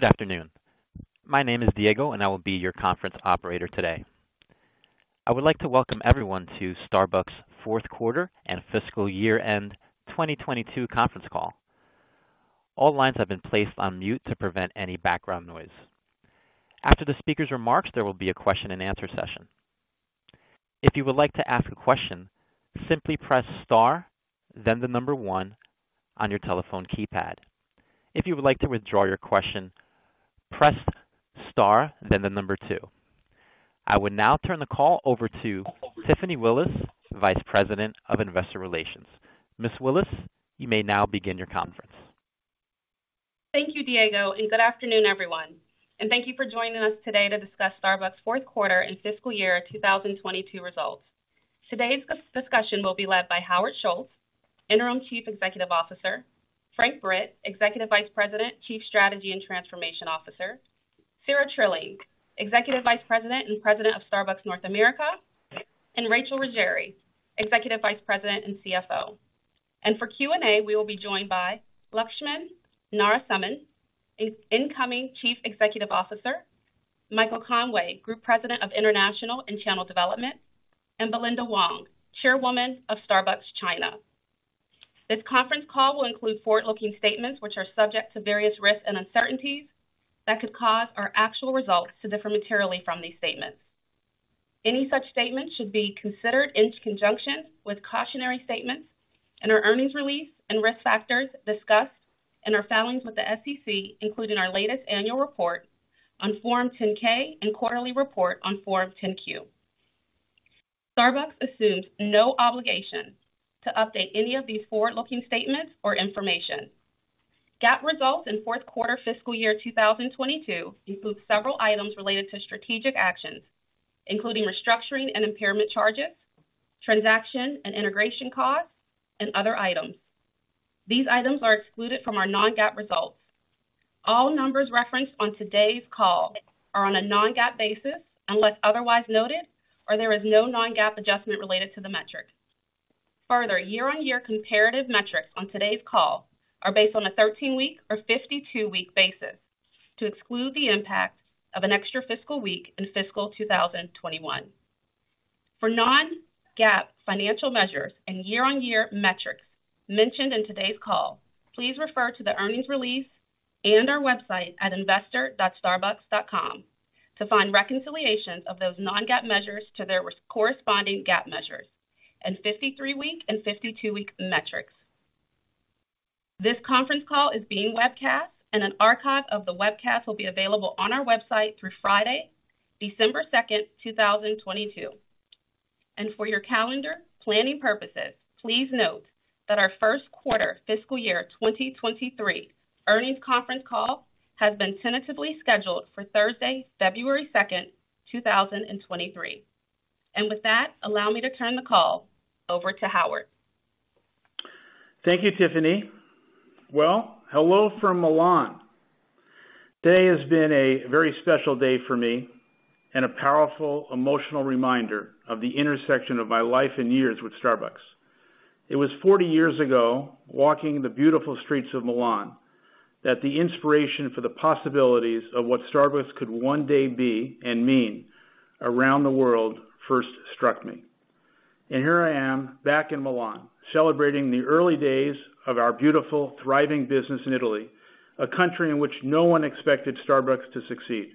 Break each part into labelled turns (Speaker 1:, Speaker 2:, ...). Speaker 1: Good afternoon. My name is Diego, and I will be your conference operator today. I would like to welcome everyone to Starbucks fourth quarter and fiscal year end 2022 conference call. All lines have been placed on mute to prevent any background noise. After the speaker's remarks, there will be a question and answer session. If you would like to ask a question, simply press Star, then the number one on your telephone keypad. If you would like to withdraw your question, press Star, then the number two. I would now turn the call over to Tiffany Willis, Vice President of Investor Relations. Ms. Willis, you may now begin your conference.
Speaker 2: Thank you, Diego, and good afternoon, everyone. Thank you for joining us today to discuss Starbucks' fourth quarter and fiscal year 2022 results. Today's discussion will be led by Howard Schultz, interim chief executive officer. Frank Britt, executive vice president, chief strategy and transformation officer. Sara Trilling, executive vice president and president of Starbucks North America. Rachel Ruggeri, executive vice president and CFO. For Q&A, we will be joined by Laxman Narasimhan, incoming chief executive officer. Michael Conway, group president of International and Channel Development. Belinda Wong, chairwoman of Starbucks China. This conference call will include forward-looking statements which are subject to various risks and uncertainties that could cause our actual results to differ materially from these statements. Any such statements should be considered in conjunction with cautionary statements in our earnings release and risk factors discussed in our filings with the SEC, including our latest annual report on Form 10-K and quarterly report on Form 10-Q. Starbucks assumes no obligation to update any of these forward-looking statements or information. GAAP results in fourth quarter fiscal year 2022 include several items related to strategic actions, including restructuring and impairment charges, transaction and integration costs, and other items. These items are excluded from our non-GAAP results. All numbers referenced on today's call are on a non-GAAP basis, unless otherwise noted or there is no non-GAAP adjustment related to the metric. Further, year-on-year comparative metrics on today's call are based on a 13-week or 52-week basis to exclude the impact of an extra fiscal week in fiscal 2021. For non-GAAP financial measures and year-on-year metrics mentioned in today's call, please refer to the earnings release and our website at investor.starbucks.com to find reconciliations of those non-GAAP measures to their corresponding GAAP measures and 53-week and 52-week metrics. This conference call is being webcast, and an archive of the webcast will be available on our website through Friday, December 2, 2022. For your calendar planning purposes, please note that our first quarter fiscal year 2023 earnings conference call has been tentatively scheduled for Thursday, February 2, 2023. With that, allow me to turn the call over to Howard.
Speaker 3: Thank you, Tiffany. Well, hello from Milan. Today has been a very special day for me and a powerful emotional reminder of the intersection of my life and years with Starbucks. It was 40 years ago, walking the beautiful streets of Milan, that the inspiration for the possibilities of what Starbucks could one day be and mean around the world first struck me. Here I am, back in Milan, celebrating the early days of our beautiful, thriving business in Italy, a country in which no one expected Starbucks to succeed.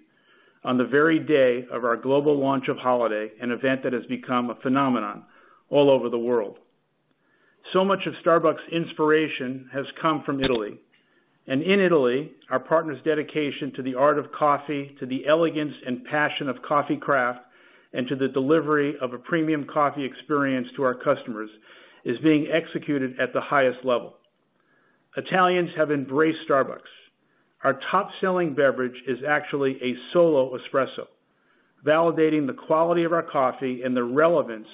Speaker 3: On the very day of our global launch of holiday, an event that has become a phenomenon all over the world. Much of Starbucks' inspiration has come from Italy. In Italy, our partners' dedication to the art of coffee, to the elegance and passion of coffee craft, and to the delivery of a premium coffee experience to our customers is being executed at the highest level. Italians have embraced Starbucks. Our top selling beverage is actually a solo espresso, validating the quality of our coffee and the relevance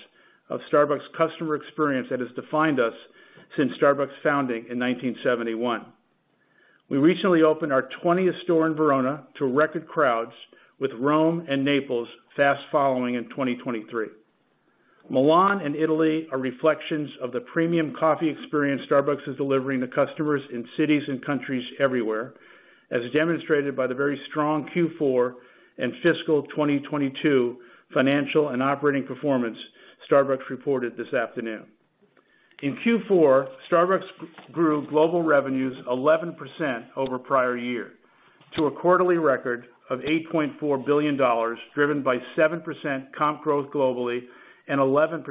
Speaker 3: of Starbucks customer experience that has defined us since Starbucks' founding in 1971. We recently opened our 20th store in Verona to record crowds with Rome and Naples fast following in 2023. Milan and Italy are reflections of the premium coffee experience Starbucks is delivering to customers in cities and countries everywhere, as demonstrated by the very strong Q4 and fiscal 2022 financial and operating performance Starbucks reported this afternoon. In Q4, Starbucks grew global revenues 11% over prior year to a quarterly record of $8.4 billion, driven by 7% comp growth globally and 11%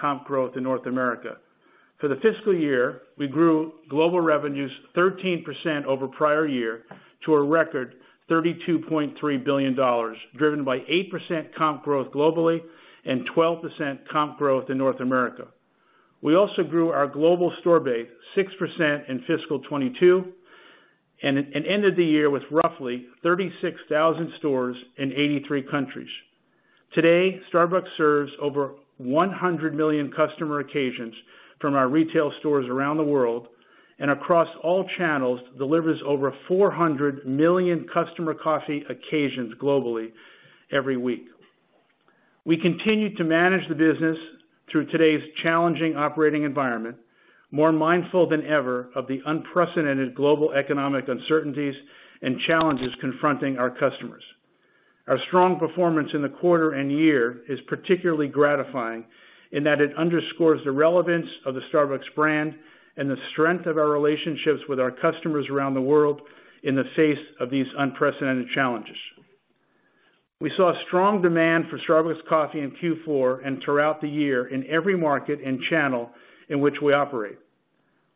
Speaker 3: comp growth in North America. For the fiscal year, we grew global revenues 13% over prior year to a record $32.3 billion, driven by 8% comp growth globally and 12% comp growth in North America. We also grew our global store base 6% in fiscal 2022 and end of the year with roughly 36,000 stores in 83 countries. Today, Starbucks serves over 100 million customer occasions from our retail stores around the world and across all channels, delivers over 400 million customer coffee occasions globally every week. We continue to manage the business through today's challenging operating environment, more mindful than ever of the unprecedented global economic uncertainties and challenges confronting our customers. Our strong performance in the quarter and year is particularly gratifying in that it underscores the relevance of the Starbucks brand and the strength of our relationships with our customers around the world in the face of these unprecedented challenges. We saw strong demand for Starbucks coffee in Q4 and throughout the year in every market and channel in which we operate.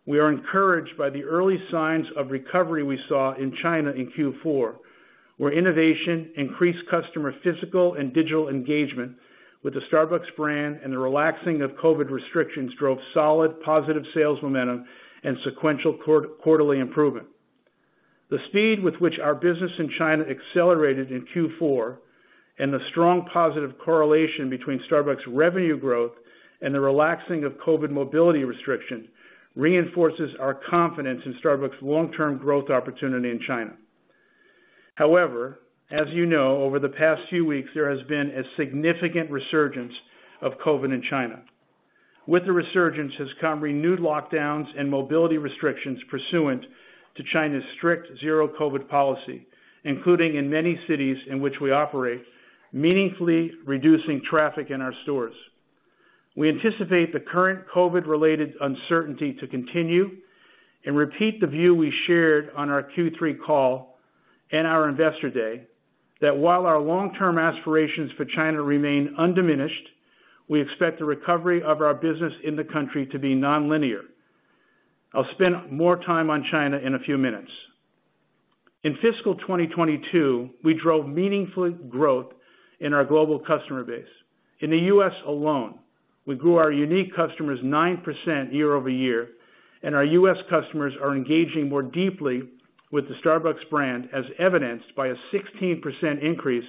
Speaker 3: We are encouraged by the early signs of recovery we saw in China in Q4, where innovation increased customer physical and digital engagement with the Starbucks brand and the relaxing of COVID restrictions drove solid positive sales momentum and sequential quarterly improvement. The speed with which our business in China accelerated in Q4 and the strong positive correlation between Starbucks revenue growth and the relaxing of COVID mobility restrictions reinforces our confidence in Starbucks' long-term growth opportunity in China. However, as you know, over the past few weeks, there has been a significant resurgence of COVID in China. With the resurgence has come renewed lockdowns and mobility restrictions pursuant to China's strict zero-COVID policy, including in many cities in which we operate, meaningfully reducing traffic in our stores. We anticipate the current COVID-related uncertainty to continue and repeat the view we shared on our Q3 call and our Investor Day, that while our long-term aspirations for China remain undiminished, we expect the recovery of our business in the country to be nonlinear. I'll spend more time on China in a few minutes. In fiscal 2022, we drove meaningful growth in our global customer base. In the U.S. alone, we grew our unique customers 9% year-over-year, and our U.S. customers are engaging more deeply with the Starbucks brand, as evidenced by a 16% increase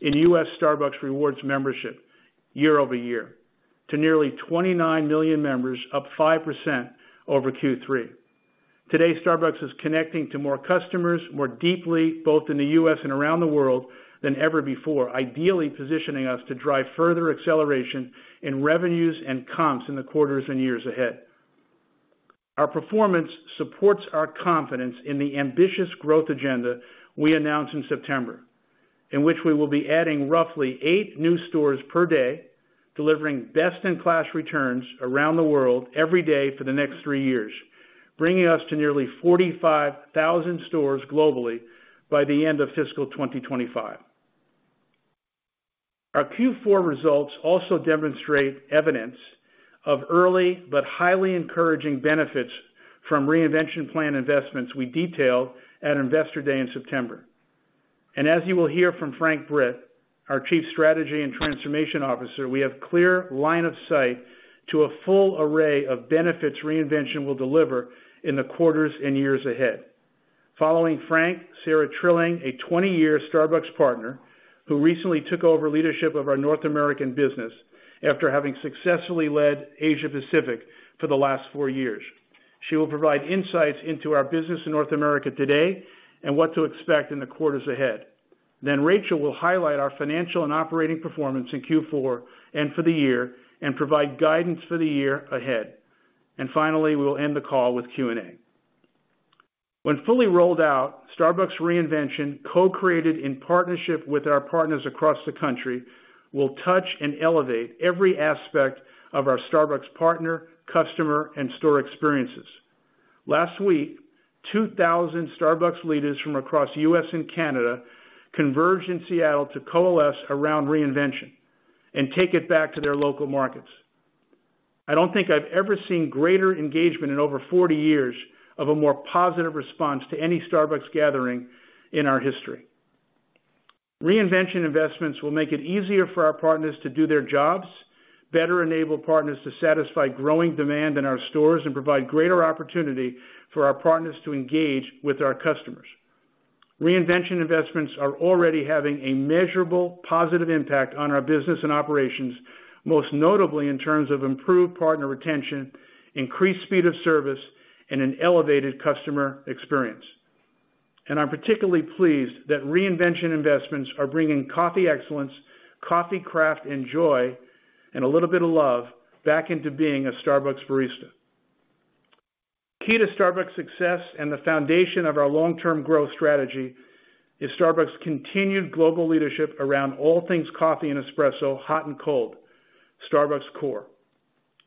Speaker 3: in U.S. Starbucks Rewards membership year-over-year to nearly 29 million members, up 5% over Q3. Today, Starbucks is connecting to more customers more deeply, both in the U.S. and around the world than ever before, ideally positioning us to drive further acceleration in revenues and comps in the quarters and years ahead. Our performance supports our confidence in the ambitious growth agenda we announced in September, in which we will be adding roughly eight new stores per day, delivering best-in-class returns around the world every day for the next three years, bringing us to nearly 45,000 stores globally by the end of fiscal 2025. Our Q4 results also demonstrate evidence of early but highly encouraging benefits from reinvention plan investments we detailed at Investor Day in September. As you will hear from Frank Britt, our Chief Strategy and Transformation Officer, we have clear line of sight to a full array of benefits reinvention will deliver in the quarters and years ahead. Following Frank Britt, Sara Trilling, a 20-year Starbucks partner who recently took over leadership of our North American business after having successfully led Asia Pacific for the last four years. She will provide insights into our business in North America today and what to expect in the quarters ahead. Then Rachel Ruggeri will highlight our financial and operating performance in Q4 and for the year and provide guidance for the year ahead. Finally, we will end the call with Q&A. When fully rolled out, Starbucks reinvention, co-created in partnership with our partners across the country, will touch and elevate every aspect of our Starbucks partner, customer, and store experiences. Last week, 2,000 Starbucks leaders from across the U.S. and Canada converged in Seattle to coalesce around reinvention and take it back to their local markets. I don't think I've ever seen greater engagement in over 40 years of a more positive response to any Starbucks gathering in our history. Reinvention investments will make it easier for our partners to do their jobs, better enable partners to satisfy growing demand in our stores, and provide greater opportunity for our partners to engage with our customers. Reinvention investments are already having a measurable, positive impact on our business and operations, most notably in terms of improved partner retention, increased speed of service, and an elevated customer experience. I'm particularly pleased that reinvention investments are bringing coffee excellence, coffee craft and joy, and a little bit of love back into being a Starbucks barista. Key to Starbucks' success and the foundation of our long-term growth strategy is Starbucks' continued global leadership around all things coffee and espresso, hot and cold, Starbucks core.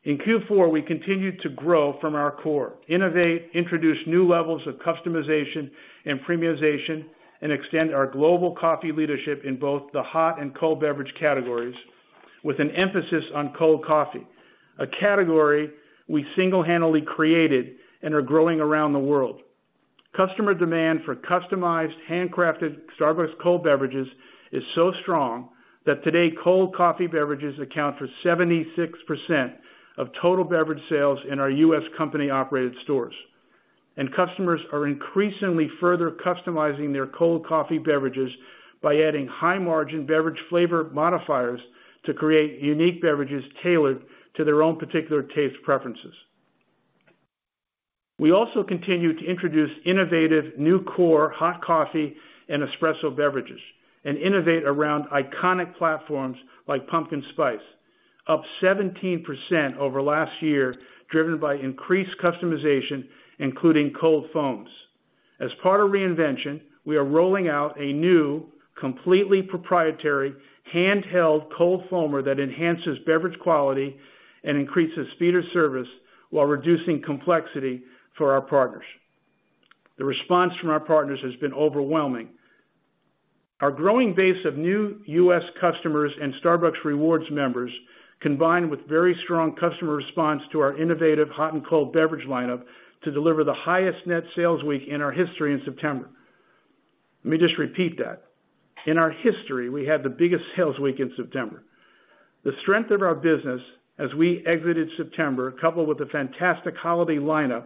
Speaker 3: In Q4, we continued to grow from our core, innovate, introduce new levels of customization and premiumization, and extend our global coffee leadership in both the hot and cold beverage categories with an emphasis on cold coffee, a category we single-handedly created and are growing around the world. Customer demand for customized, handcrafted Starbucks cold beverages is so strong that today, cold coffee beverages account for 76% of total beverage sales in our U.S. company-operated stores. Customers are increasingly further customizing their cold coffee beverages by adding high-margin beverage flavor modifiers to create unique beverages tailored to their own particular taste preferences. We also continue to introduce innovative new core hot coffee and espresso beverages and innovate around iconic platforms like Pumpkin Spice, up 17% over last year, driven by increased customization, including cold foams. As part of reinvention, we are rolling out a new, completely proprietary handheld cold foamer that enhances beverage quality and increases speed of service while reducing complexity for our partners. The response from our partners has been overwhelming. Our growing base of new U.S. customers and Starbucks Rewards members, combined with very strong customer response to our innovative hot and cold beverage lineup to deliver the highest net sales week in our history in September. Let me just repeat that. In our history, we had the biggest sales week in September. The strength of our business as we exited September, coupled with a fantastic holiday lineup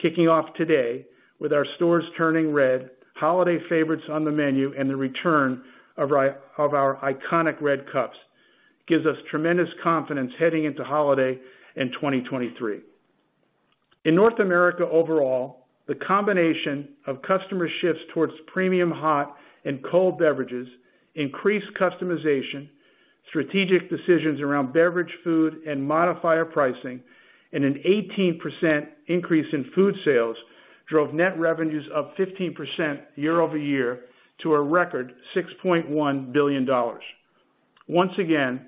Speaker 3: kicking off today with our stores turning red, holiday favorites on the menu, and the return of our iconic red cups, gives us tremendous confidence heading into holiday in 2023. In North America overall, the combination of customer shifts towards premium hot and cold beverages, increased customization, strategic decisions around beverage food and modifier pricing, and an 18% increase in food sales drove net revenues up 15% year-over-year to a record $6.1 billion. Once again,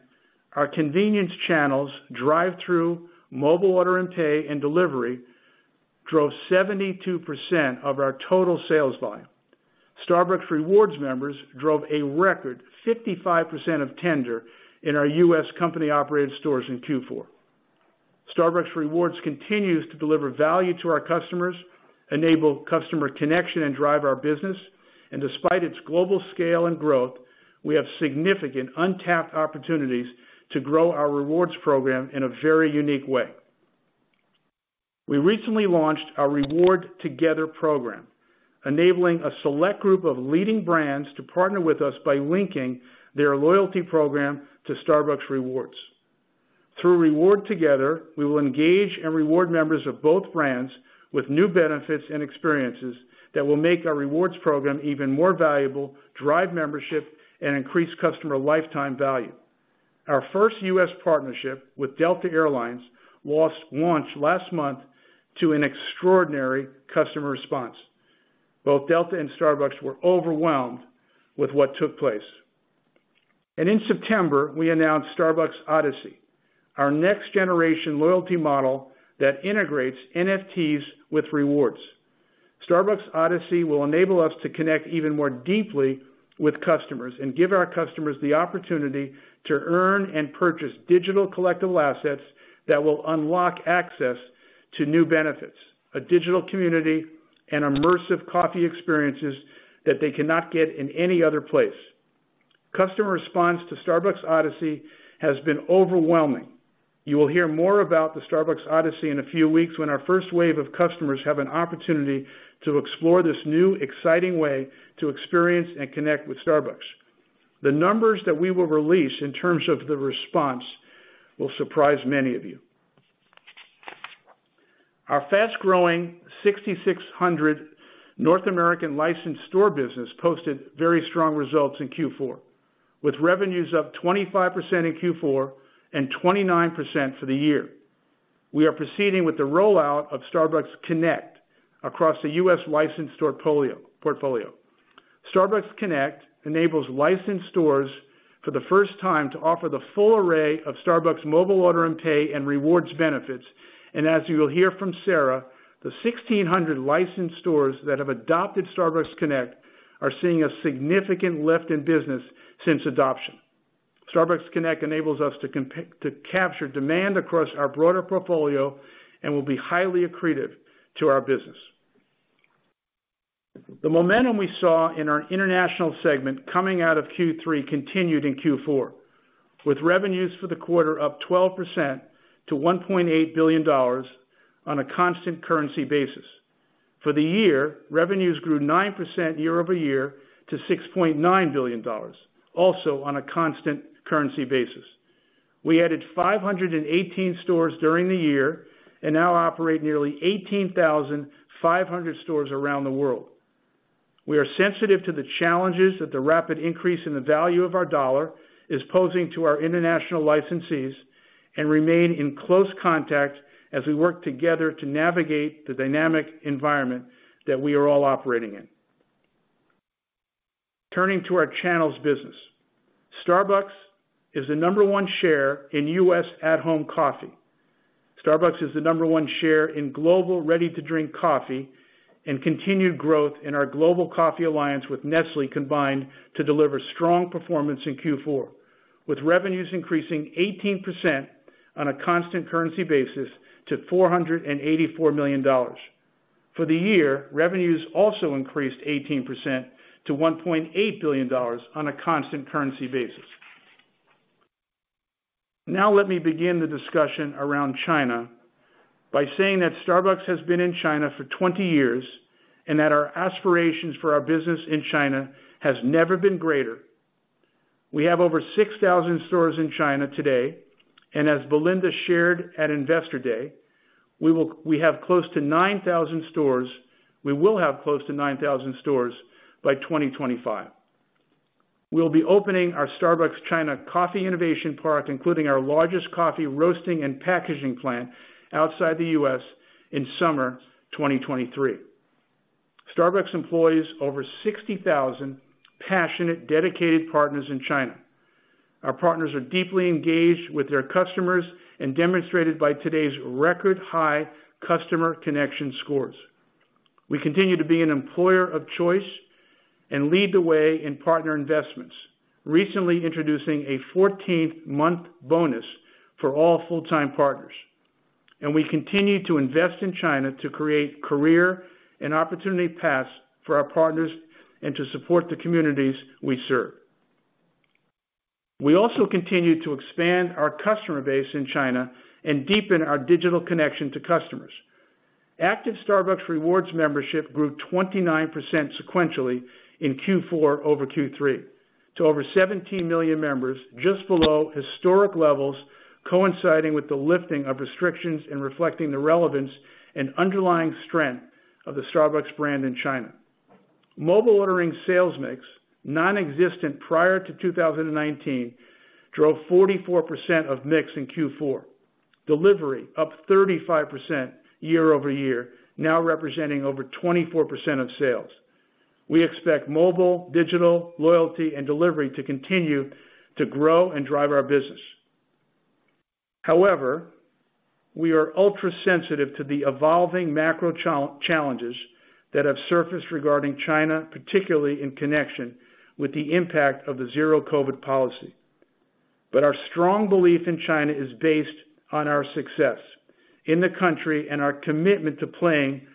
Speaker 3: our convenience channels, drive-thru, Mobile Order & Pay, and delivery drove 72% of our total sales volume. Starbucks Rewards members drove a record 55% of tender in our U.S. company-operated stores in Q4. Starbucks Rewards continues to deliver value to our customers, enable customer connection, and drive our business. Despite its global scale and growth, we have significant untapped opportunities to grow our rewards program in a very unique way. We recently launched our Reward Together program, enabling a select group of leading brands to partner with us by linking their loyalty program to Starbucks Rewards. Through Reward Together, we will engage and reward members of both brands with new benefits and experiences that will make our rewards program even more valuable, drive membership, and increase customer lifetime value. Our first U.S. partnership with Delta Air Lines launched last month to an extraordinary customer response. Both Delta and Starbucks were overwhelmed with what took place. In September, we announced Starbucks Odyssey, our next generation loyalty model that integrates NFTs with rewards. Starbucks Odyssey will enable us to connect even more deeply with customers and give our customers the opportunity to earn and purchase digital collectible assets that will unlock access to new benefits, a digital community, and immersive coffee experiences that they cannot get in any other place. Customer response to Starbucks Odyssey has been overwhelming. You will hear more about the Starbucks Odyssey in a few weeks when our first wave of customers have an opportunity to explore this new, exciting way to experience and connect with Starbucks. The numbers that we will release in terms of the response will surprise many of you. Our fast-growing 6,600 North American licensed store business posted very strong results in Q4, with revenues up 25% in Q4 and 29% for the year. We are proceeding with the rollout of Starbucks Connect across the U.S. licensed store portfolio. Starbucks Connect enables licensed stores for the first time to offer the full array of Starbucks Mobile Order & Pay and Rewards benefits. As you will hear from Sarah, the 1,600 licensed stores that have adopted Starbucks Connect are seeing a significant lift in business since adoption. Starbucks Connect enables us to to capture demand across our broader portfolio and will be highly accretive to our business. The momentum we saw in our international segment coming out of Q3 continued in Q4, with revenues for the quarter up 12% to $1.8 billion on a constant currency basis. For the year, revenues grew 9% year-over-year to $6.9 billion, also on a constant currency basis. We added 518 stores during the year and now operate nearly 18,500 stores around the world. We are sensitive to the challenges that the rapid increase in the value of our dollar is posing to our international licensees and remain in close contact as we work together to navigate the dynamic environment that we are all operating in. Turning to our channels business. Starbucks is the number one share in U.S. at-home coffee. Starbucks is the number one share in global ready-to-drink coffee and continued growth in our global coffee alliance with Nestlé combined to deliver strong performance in Q4, with revenues increasing 18% on a constant currency basis to $484 million. For the year, revenues also increased 18% to $1.8 billion on a constant currency basis. Now let me begin the discussion around China by saying that Starbucks has been in China for 20 years and that our aspirations for our business in China has never been greater. We have over 6,000 stores in China today, and as Belinda shared at Investor Day, we will have close to 9,000 stores by 2025. We'll be opening our Starbucks China coffee innovation park, including our largest coffee roasting and packaging plant outside the U.S. in summer 2023. Starbucks employs over 60,000 passionate, dedicated partners in China. Our partners are deeply engaged with their customers as demonstrated by today's record-high customer connection scores. We continue to be an employer of choice and lead the way in partner investments, recently introducing a fourteenth-month bonus for all full-time partners. We continue to invest in China to create career and opportunity paths for our partners and to support the communities we serve. We also continue to expand our customer base in China and deepen our digital connection to customers. Active Starbucks Rewards membership grew 29% sequentially in Q4 over Q3 to over 17 million members, just below historic levels, coinciding with the lifting of restrictions and reflecting the relevance and underlying strength of the Starbucks brand in China. Mobile ordering sales mix, nonexistent prior to 2019, drove 44% of mix in Q4. Delivery up 35% year-over-year, now representing over 24% of sales. We expect mobile, digital, loyalty, and delivery to continue to grow and drive our business. However, we are ultra-sensitive to the evolving macro challenges that have surfaced regarding China, particularly in connection with the impact of the zero-COVID policy. Our strong belief in China is based on our success in the country and our commitment to playing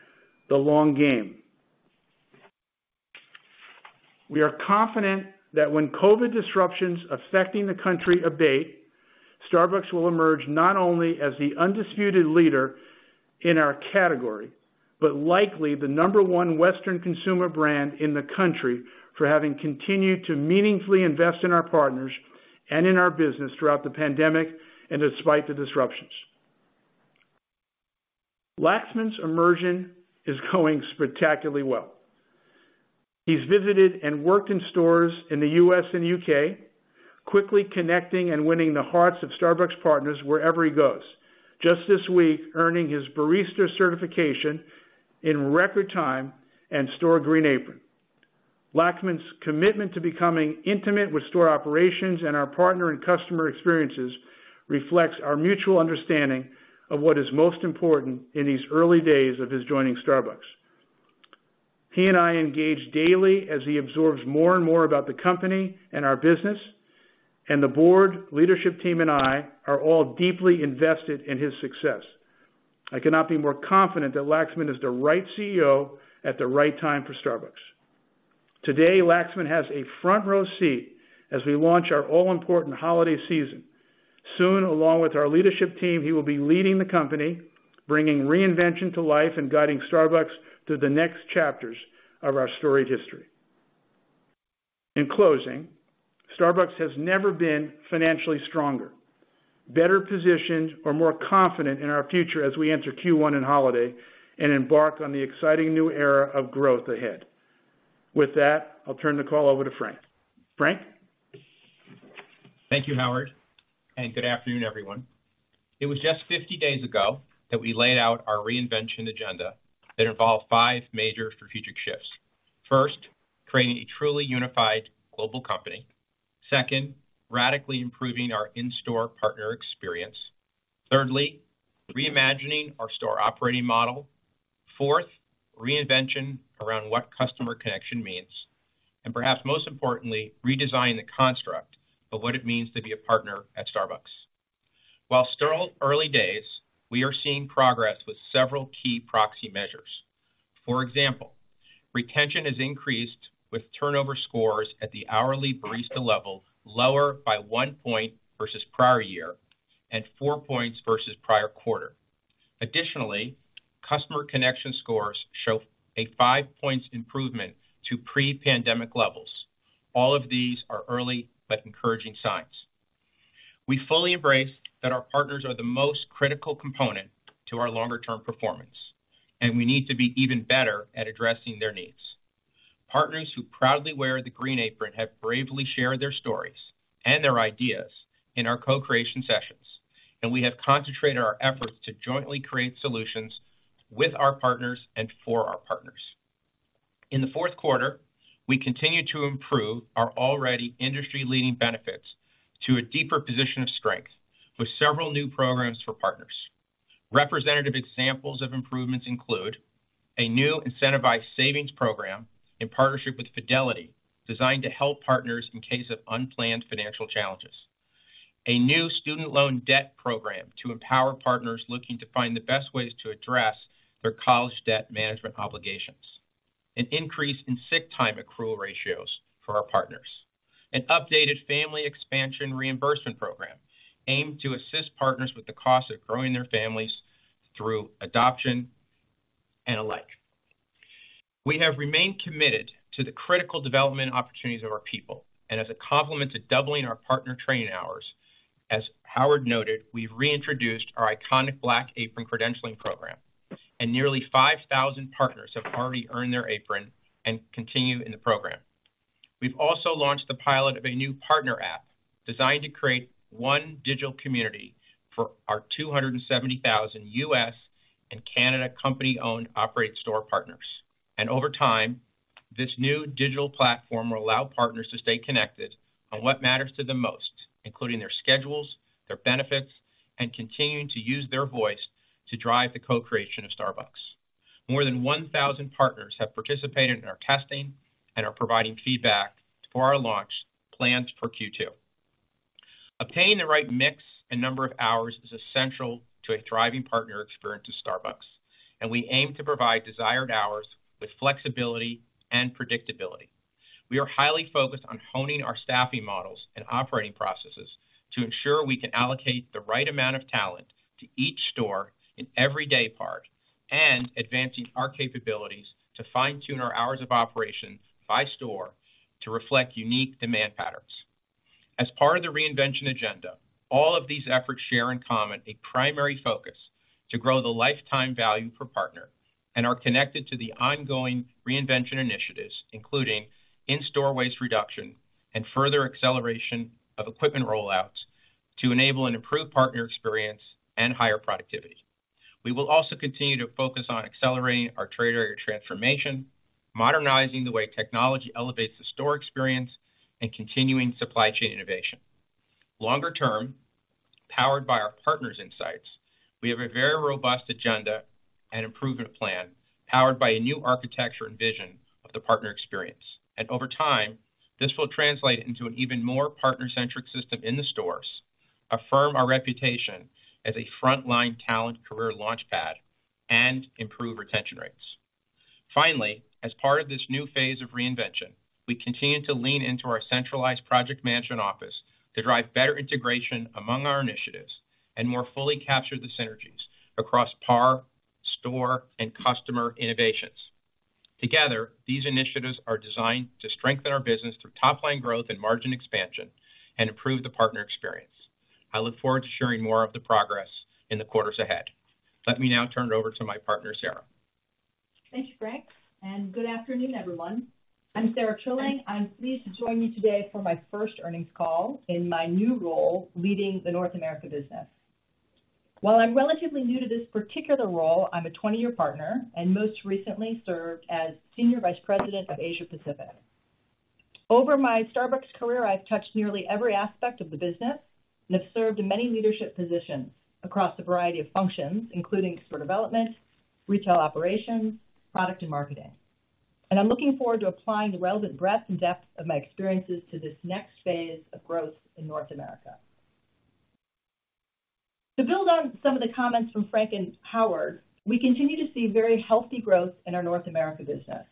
Speaker 3: the long game. We are confident that when COVID disruptions affecting the country abate, Starbucks will emerge not only as the undisputed leader in our category, but likely the number one Western consumer brand in the country for having continued to meaningfully invest in our partners and in our business throughout the pandemic and despite the disruptions. Laxman's immersion is going spectacularly well. He's visited and worked in stores in the U.S. and U.K., quickly connecting and winning the hearts of Starbucks partners wherever he goes. Just this week, earning his barista certification in record time and store Green Apron. Laxman's commitment to becoming intimate with store operations and our partner and customer experiences reflects our mutual understanding of what is most important in these early days of his joining Starbucks. He and I engage daily as he absorbs more and more about the company and our business, and the board, leadership team and I are all deeply invested in his success. I cannot be more confident that Laxman is the right CEO at the right time for Starbucks. Today, Laxman has a front row seat as we launch our all-important holiday season. Soon, along with our leadership team, he will be leading the company, bringing reinvention to life and guiding Starbucks through the next chapters of our storied history. In closing, Starbucks has never been financially stronger, better positioned or more confident in our future as we enter Q1 and holiday and embark on the exciting new era of growth ahead. With that, I'll turn the call over to Frank. Frank?
Speaker 4: Thank you, Howard, and good afternoon, everyone. It was just 50 days ago that we laid out our reinvention agenda that involved five major strategic shifts. First, creating a truly unified global company. Second, radically improving our in-store partner experience. Thirdly, reimagining our store operating model. Fourth, reinvention around what customer connection means. Perhaps most importantly, redesign the construct of what it means to be a partner at Starbucks. While still early days, we are seeing progress with several key proxy measures. For example, retention has increased with turnover scores at the hourly barista level lower by one point versus prior year and four points versus prior quarter. Additionally, customer connection scores show a five points improvement to pre-pandemic levels. All of these are early but encouraging signs. We fully embrace that our partners are the most critical component to our longer-term performance, and we need to be even better at addressing their needs. Partners who proudly wear the Green Apron have bravely shared their stories and their ideas in our co-creation sessions, and we have concentrated our efforts to jointly create solutions with our partners and for our partners. In the fourth quarter, we continued to improve our already industry-leading benefits to a deeper position of strength with several new programs for partners. Representative examples of improvements include a new incentivized savings program in partnership with Fidelity, designed to help partners in case of unplanned financial challenges. A new student loan debt program to empower partners looking to find the best ways to address their college debt management obligations. An increase in sick time accrual ratios for our partners. An updated family expansion reimbursement program aimed to assist partners with the cost of growing their families through adoption and alike. We have remained committed to the critical development opportunities of our people and as a complement to doubling our partner training hours. As Howard noted, we've reintroduced our iconic Black Apron credentialing program, and nearly 5,000 partners have already earned their apron and continue in the program. We've also launched the pilot of a new partner app designed to create one digital community for our 270,000 US and Canada company-owned operated store partners. Over time, this new digital platform will allow partners to stay connected on what matters to them most, including their schedules, their benefits, and continuing to use their voice to drive the co-creation of Starbucks. More than 1,000 partners have participated in our testing and are providing feedback for our launch plans for Q2. Obtaining the right mix and number of hours is essential to a thriving partner experience at Starbucks, and we aim to provide desired hours with flexibility and predictability. We are highly focused on honing our staffing models and operating processes to ensure we can allocate the right amount of talent to each store in every day part and advancing our capabilities to fine-tune our hours of operation by store to reflect unique demand patterns. As part of the reinvention agenda, all of these efforts share in common a primary focus to grow the lifetime value per partner and are connected to the ongoing reinvention initiatives, including in-store waste reduction and further acceleration of equipment rollouts to enable an improved partner experience and higher productivity. We will also continue to focus on accelerating our trade area transformation, modernizing the way technology elevates the store experience, and continuing supply chain innovation. Longer term, powered by our partners' insights, we have a very robust agenda and improvement plan powered by a new architecture and vision of the partner experience. Over time, this will translate into an even more partner-centric system in the stores, affirm our reputation as a frontline talent career launchpad, and improve retention rates. Finally, as part of this new phase of reinvention, we continue to lean into our centralized project management office to drive better integration among our initiatives and more fully capture the synergies across partner, store, and customer innovations. Together, these initiatives are designed to strengthen our business through top-line growth and margin expansion and improve the partner experience. I look forward to sharing more of the progress in the quarters ahead. Let me now turn it over to my partner, Sarah.
Speaker 5: Thank you, Frank Britt, and good afternoon, everyone. I'm Sara Trilling. I'm pleased to join you today for my first earnings call in my new role, leading the North America business. While I'm relatively new to this particular role, I'm a 20-year partner and most recently served as Senior Vice President of Asia Pacific. Over my Starbucks career, I've touched nearly every aspect of the business and have served in many leadership positions across a variety of functions, including store development, retail operations, product and marketing. I'm looking forward to applying the relevant breadth and depth of my experiences to this next phase of growth in North America. To build on some of the comments from Frank Britt and Howard Schultz, we continue to see very healthy growth in our North America business.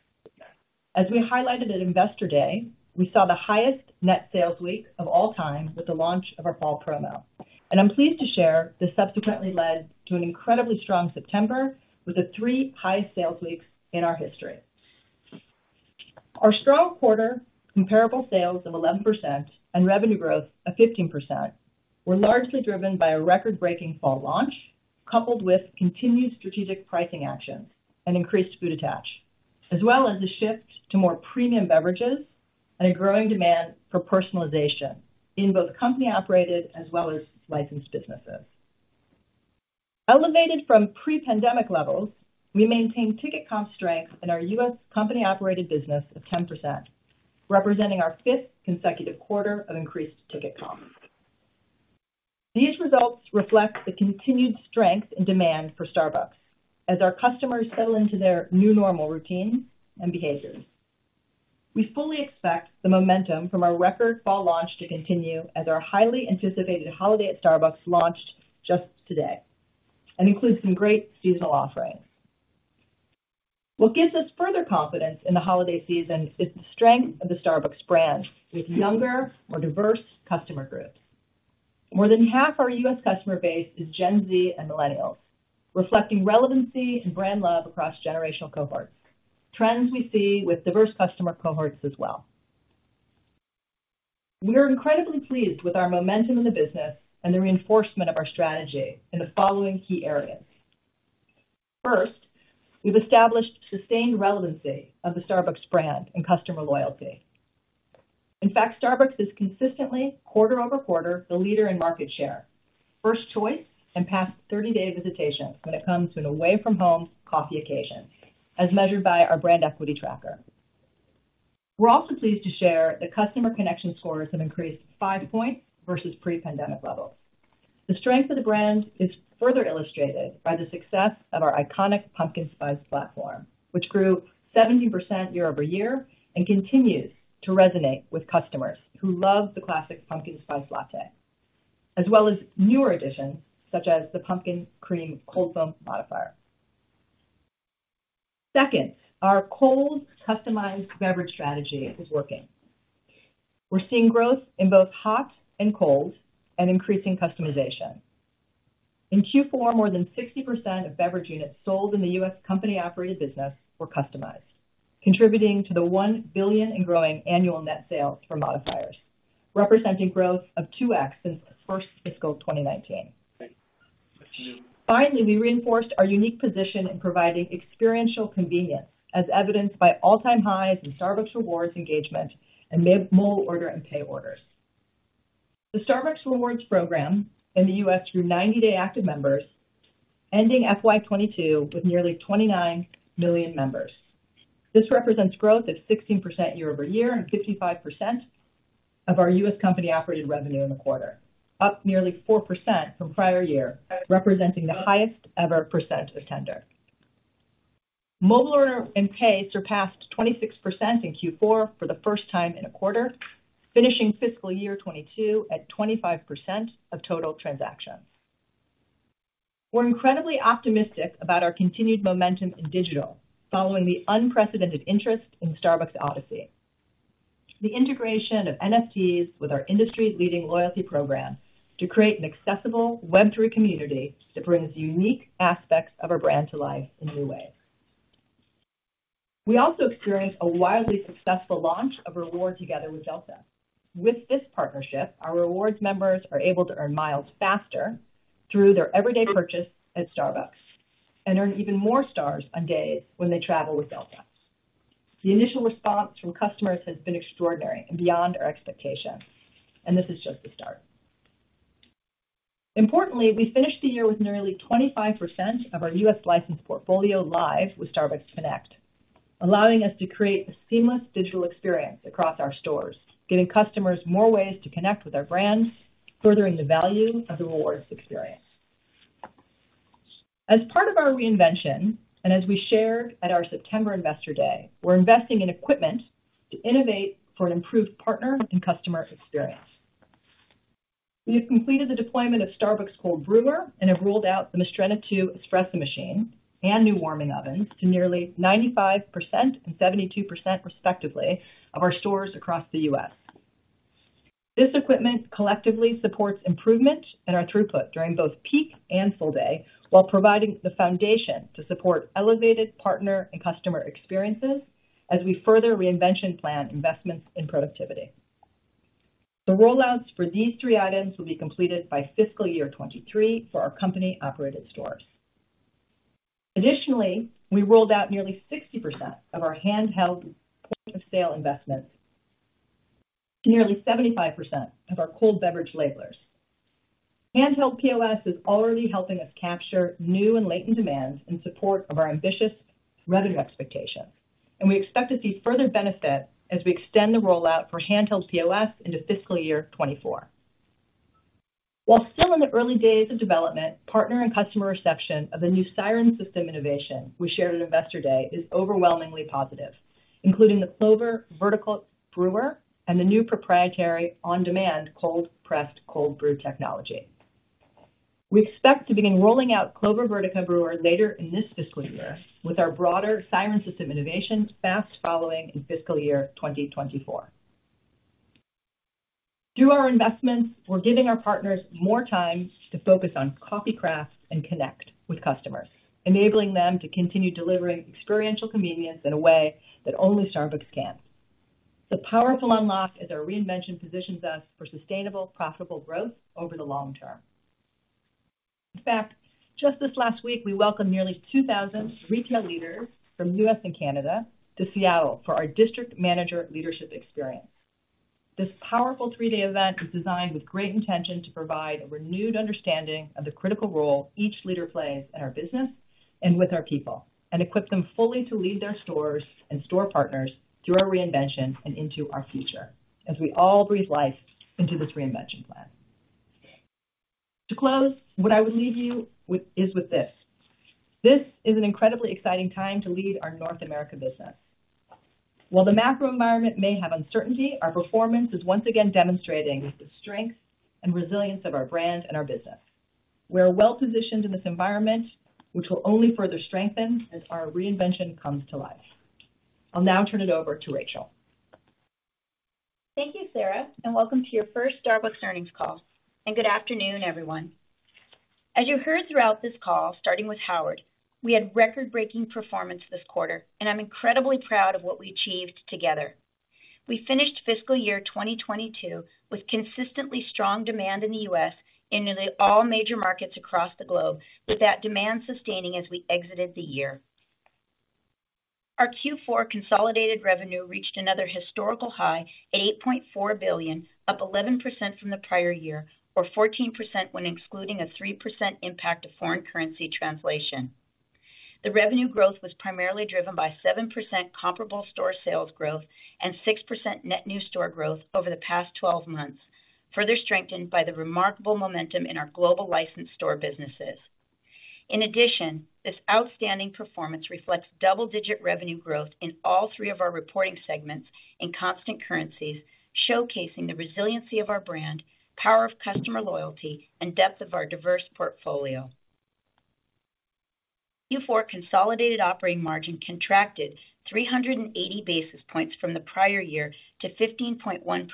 Speaker 5: As we highlighted at Investor Day, we saw the highest net sales week of all time with the launch of our fall promo. I'm pleased to share this subsequently led to an incredibly strong September with the three highest sales weeks in our history. Our strong quarter comparable sales of 11% and revenue growth of 15% were largely driven by a record-breaking fall launch, coupled with continued strategic pricing actions and increased food attach, as well as a shift to more premium beverages and a growing demand for personalization in both company-operated as well as licensed businesses. Elevated from pre-pandemic levels, we maintain ticket comp strength in our U.S. company-operated business of 10%, representing our fifth consecutive quarter of increased ticket comps. These results reflect the continued strength and demand for Starbucks as our customers settle into their new normal routines and behaviors. We fully expect the momentum from our record fall launch to continue as our highly anticipated holiday at Starbucks launched just today and includes some great seasonal offerings. What gives us further confidence in the holiday season is the strength of the Starbucks brand with younger, more diverse customer groups. More than half our U.S. customer base is Gen Z and millennials, reflecting relevancy and brand love across generational cohorts. Trends we see with diverse customer cohorts as well. We are incredibly pleased with our momentum in the business and the reinforcement of our strategy in the following key areas. First, we've established sustained relevancy of the Starbucks brand and customer loyalty. In fact, Starbucks is consistently quarter-over-quarter, the leader in market share, first choice, and past 30-day visitation when it comes to an away-from-home coffee occasion, as measured by our brand equity tracker. We're also pleased to share the customer connection scores have increased 5 points versus pre-pandemic levels. The strength of the brand is further illustrated by the success of our iconic Pumpkin Spice platform, which grew 17% year-over-year and continues to resonate with customers who love the classic Pumpkin Spice Latte, as well as newer additions such as the Pumpkin Cream Cold Foam modifier. Second, our cold customized beverage strategy is working. We're seeing growth in both hot and cold and increasing customization. In Q4, more than 60% of beverage units sold in the U.S. company-operated business were customized, contributing to the $1 billion and growing annual net sales for modifiers, representing growth of 2x since the first fiscal 2019. Finally, we reinforced our unique position in providing experiential convenience, as evidenced by all-time highs in Starbucks Rewards engagement and Mobile Order & Pay orders. The Starbucks Rewards program in the U.S. grew 90-day active members, ending FY 2022 with nearly 29 million members. This represents growth of 16% year-over-year and 55% of our U.S. company-operated revenue in the quarter, up nearly 4% from prior year, representing the highest ever percent of tender. Mobile Order & Pay surpassed 26% in Q4 for the first time in a quarter, finishing fiscal year 2022 at 25% of total transactions. We're incredibly optimistic about our continued momentum in digital following the unprecedented interest in Starbucks Odyssey. The integration of NFTs with our industry-leading loyalty program to create an accessible Web3 community that brings unique aspects of our brand to life in new ways. We also experienced a wildly successful launch of Reward Together with Delta Air Lines. With this partnership, our Rewards members are able to earn miles faster through their everyday purchase at Starbucks and earn even more stars on days when they travel with Delta. The initial response from customers has been extraordinary and beyond our expectations, and this is just the start. Importantly, we finished the year with nearly 25% of our U.S. licensed portfolio live with Starbucks Connect, allowing us to create a seamless digital experience across our stores, giving customers more ways to connect with our brands, furthering the value of the Rewards experience. As part of our reinvention, and as we shared at our September Investor Day, we're investing in equipment to innovate for an improved partner and customer experience. We have completed the deployment of Starbucks Cold Brewer and have rolled out the Mastrena II espresso machine and new warming ovens to nearly 95% and 72% respectively of our stores across the US. This equipment collectively supports improvement in our throughput during both peak and full day, while providing the foundation to support elevated partner and customer experiences as we further reinvention plan investments in productivity. The rollouts for these three items will be completed by fiscal year 2023 for our company-operated stores. Additionally, we rolled out nearly 60% of our handheld POS investments, nearly 75% of our cold beverage labelers. Handheld POS is already helping us capture new and latent demands in support of our ambitious revenue expectations, and we expect to see further benefit as we extend the rollout for handheld POS into fiscal year 2024. While still in the early days of development, partner and customer reception of the new Siren System innovation we shared at Investor Day is overwhelmingly positive, including the Clover Vertica brewer and the new proprietary on-demand cold pressed cold brew technology. We expect to begin rolling out Clover Vertica brewer later in this fiscal year, with our broader Siren System innovation fast following in fiscal year 2024. Through our investments, we're giving our partners more time to focus on coffee crafts and connect with customers, enabling them to continue delivering experiential convenience in a way that only Starbucks can. The powerful unlock, as our reinvention positions us for sustainable, profitable growth over the long term. In fact, just this last week, we welcomed nearly 2,000 retail leaders from U.S. and Canada to Seattle for our district manager leadership experience. This powerful three-day event is designed with great intention to provide a renewed understanding of the critical role each leader plays in our business and with our people, and equip them fully to lead their stores and store partners through our reinvention and into our future as we all breathe life into this reinvention plan. To close, what I would leave you with is this. This is an incredibly exciting time to lead our North America business. While the macro environment may have uncertainty, our performance is once again demonstrating the strength and resilience of our brand and our business. We're well positioned in this environment, which will only further strengthen as our reinvention comes to life. I'll now turn it over to Rachel.
Speaker 6: Thank you, Sarah, and welcome to your first Starbucks earnings call. Good afternoon, everyone. As you heard throughout this call, starting with Howard, we had record-breaking performance this quarter, and I'm incredibly proud of what we achieved together. We finished fiscal year 2022 with consistently strong demand in the U.S. and in all major markets across the globe, with that demand sustaining as we exited the year. Our Q4 consolidated revenue reached another historical high, $8.4 billion, up 11% from the prior year, or 14% when excluding a 3% impact of foreign currency translation. The revenue growth was primarily driven by 7% comparable store sales growth and 6% net new store growth over the past 12 months, further strengthened by the remarkable momentum in our global licensed store businesses. In addition, this outstanding performance reflects double-digit revenue growth in all 3 of our reporting segments in constant currencies, showcasing the resiliency of our brand, power of customer loyalty, and depth of our diverse portfolio. Q4 consolidated operating margin contracted 380 basis points from the prior year to 15.1%,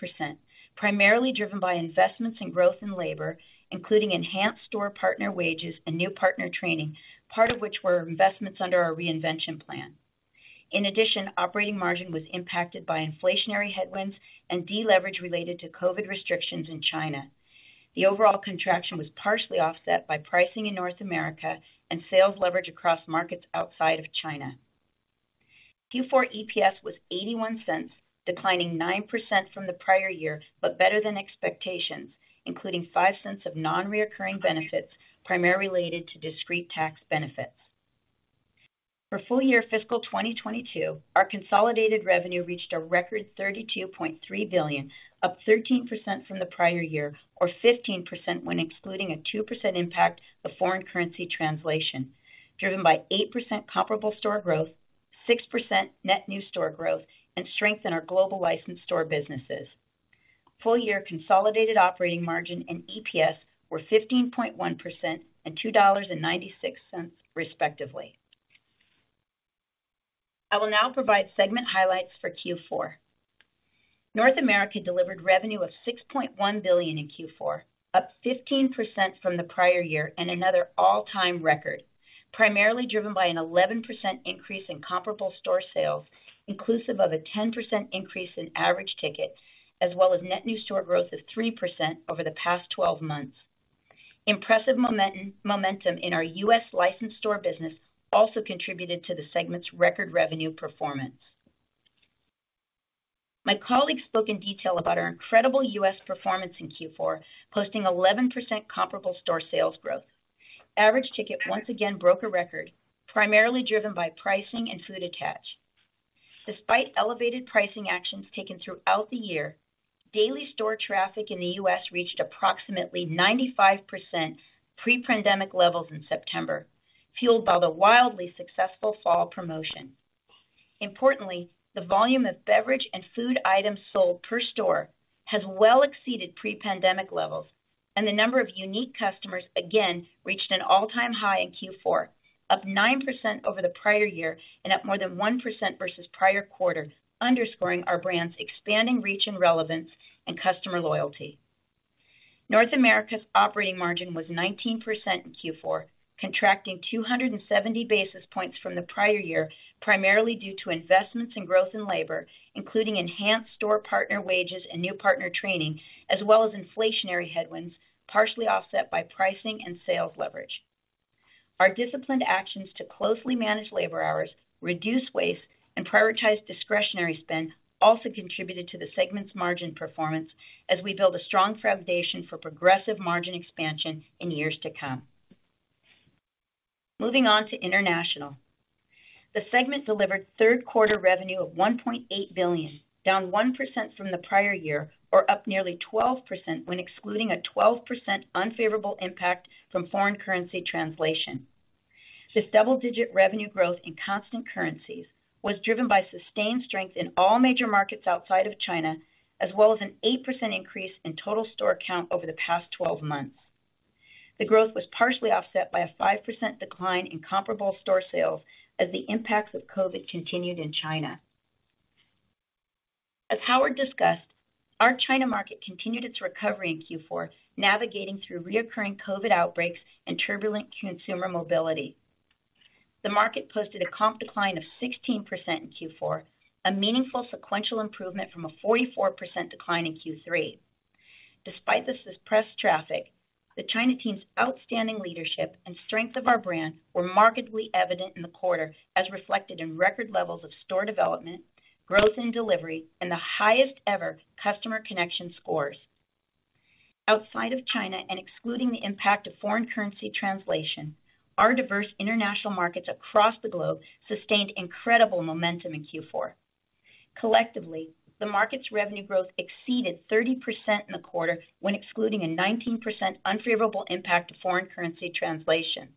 Speaker 6: primarily driven by investments in growth and labor, including enhanced store partner wages and new partner training, part of which were investments under our reinvention plan. In addition, operating margin was impacted by inflationary headwinds and deleverage related to COVID restrictions in China. The overall contraction was partially offset by pricing in North America and sales leverage across markets outside of China. Q4 EPS was $0.81, declining 9% from the prior year, but better than expectations, including $0.05 of non-recurring benefits primarily related to discrete tax benefits. For full year fiscal 2022, our consolidated revenue reached a record $32.3 billion, up 13% from the prior year, or 15% when excluding a 2% impact of foreign currency translation, driven by 8% comparable store growth, 6% net new store growth, and strength in our global licensed store businesses. Full year consolidated operating margin and EPS were 15.1% and $2.96, respectively. I will now provide segment highlights for Q4. North America delivered revenue of $6.1 billion in Q4, up 15% from the prior year and another all-time record, primarily driven by an 11% increase in comparable store sales, inclusive of a 10% increase in average ticket, as well as net new store growth of 3% over the past 12 months. Impressive momentum in our US licensed store business also contributed to the segment's record revenue performance. My colleagues spoke in detail about our incredible US performance in Q4, posting 11% comparable store sales growth. Average ticket once again broke a record primarily driven by pricing and food attach. Despite elevated pricing actions taken throughout the year, daily store traffic in the US reached approximately 95% pre-pandemic levels in September, fueled by the wildly successful fall promotion. Importantly, the volume of beverage and food items sold per store has well exceeded pre-pandemic levels, and the number of unique customers again reached an all-time high in Q4, up 9% over the prior year and up more than 1% versus prior quarter, underscoring our brand's expanding reach and relevance and customer loyalty. North America's operating margin was 19% in Q4, contracting 270 basis points from the prior year, primarily due to investments in growth and labor, including enhanced store partner wages and new partner training, as well as inflationary headwinds, partially offset by pricing and sales leverage. Our disciplined actions to closely manage labor hours, reduce waste, and prioritize discretionary spend also contributed to the segment's margin performance as we build a strong foundation for progressive margin expansion in years to come. Moving on to international. The segment delivered third quarter revenue of $1.8 billion, down 1% from the prior year, or up nearly 12% when excluding a 12% unfavorable impact from foreign currency translation. This double-digit revenue growth in constant currencies was driven by sustained strength in all major markets outside of China, as well as an 8% increase in total store count over the past 12 months. The growth was partially offset by a 5% decline in comparable store sales as the impacts of COVID continued in China. As Howard discussed, our China market continued its recovery in Q4, navigating through recurring COVID outbreaks and turbulent consumer mobility. The market posted a comp decline of 16% in Q4, a meaningful sequential improvement from a 44% decline in Q3. Despite the suppressed traffic, the China team's outstanding leadership and strength of our brand were markedly evident in the quarter, as reflected in record levels of store development, growth in delivery, and the highest ever customer connection scores. Outside of China and excluding the impact of foreign currency translation, our diverse international markets across the globe sustained incredible momentum in Q4. Collectively, the market's revenue growth exceeded 30% in the quarter when excluding a 19% unfavorable impact of foreign currency translation.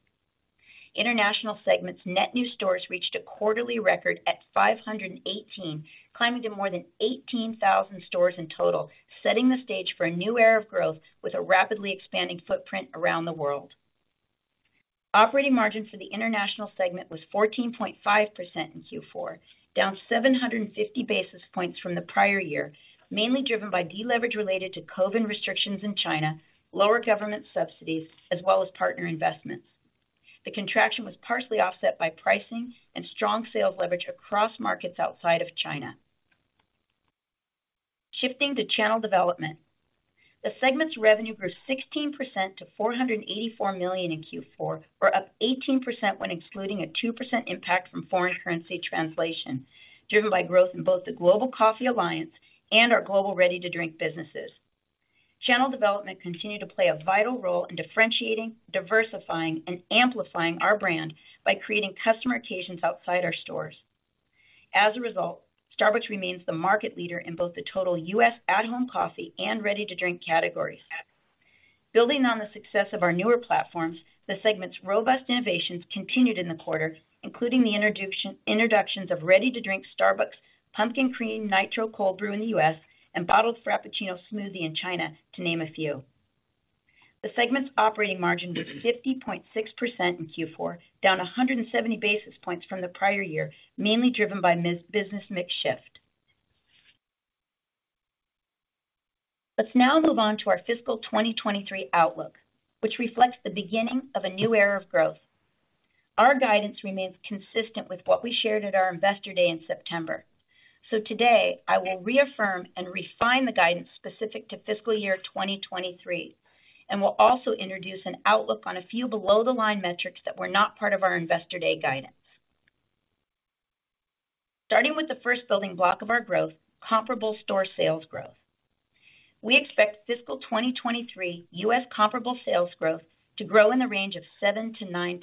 Speaker 6: International segment's net new stores reached a quarterly record at 518, climbing to more than 18,000 stores in total, setting the stage for a new era of growth with a rapidly expanding footprint around the world. Operating margin for the international segment was 14.5% in Q4, down 750 basis points from the prior year, mainly driven by deleverage related to COVID restrictions in China, lower government subsidies, as well as partner investments. The contraction was partially offset by pricing and strong sales leverage across markets outside of China. Shifting to channel development. The segment's revenue grew 16% to $484 million in Q4, or up 18% when excluding a 2% impact from foreign currency translation, driven by growth in both the Global Coffee Alliance and our global ready-to-drink businesses. Channel development continued to play a vital role in differentiating, diversifying, and amplifying our brand by creating customer occasions outside our stores. As a result, Starbucks remains the market leader in both the total U.S. at-home coffee and ready-to-drink categories. Building on the success of our newer platforms, the segment's robust innovations continued in the quarter, including the introductions of ready-to-drink Starbucks Nitro Cold Brew Pumpkin Cream in the U.S. and bottled Frappuccino smoothie in China, to name a few. The segment's operating margin was 50.6% in Q4, down 170 basis points from the prior year, mainly driven by mix-business mix shift. Let's now move on to our fiscal 2023 outlook, which reflects the beginning of a new era of growth. Our guidance remains consistent with what we shared at our Investor Day in September. Today, I will reaffirm and refine the guidance specific to fiscal year 2023, and we'll also introduce an outlook on a few below-the-line metrics that were not part of our Investor Day guidance. Starting with the first building block of our growth, comparable store sales growth. We expect fiscal 2023 U.S. comparable sales growth to grow in the range of 7%-9%.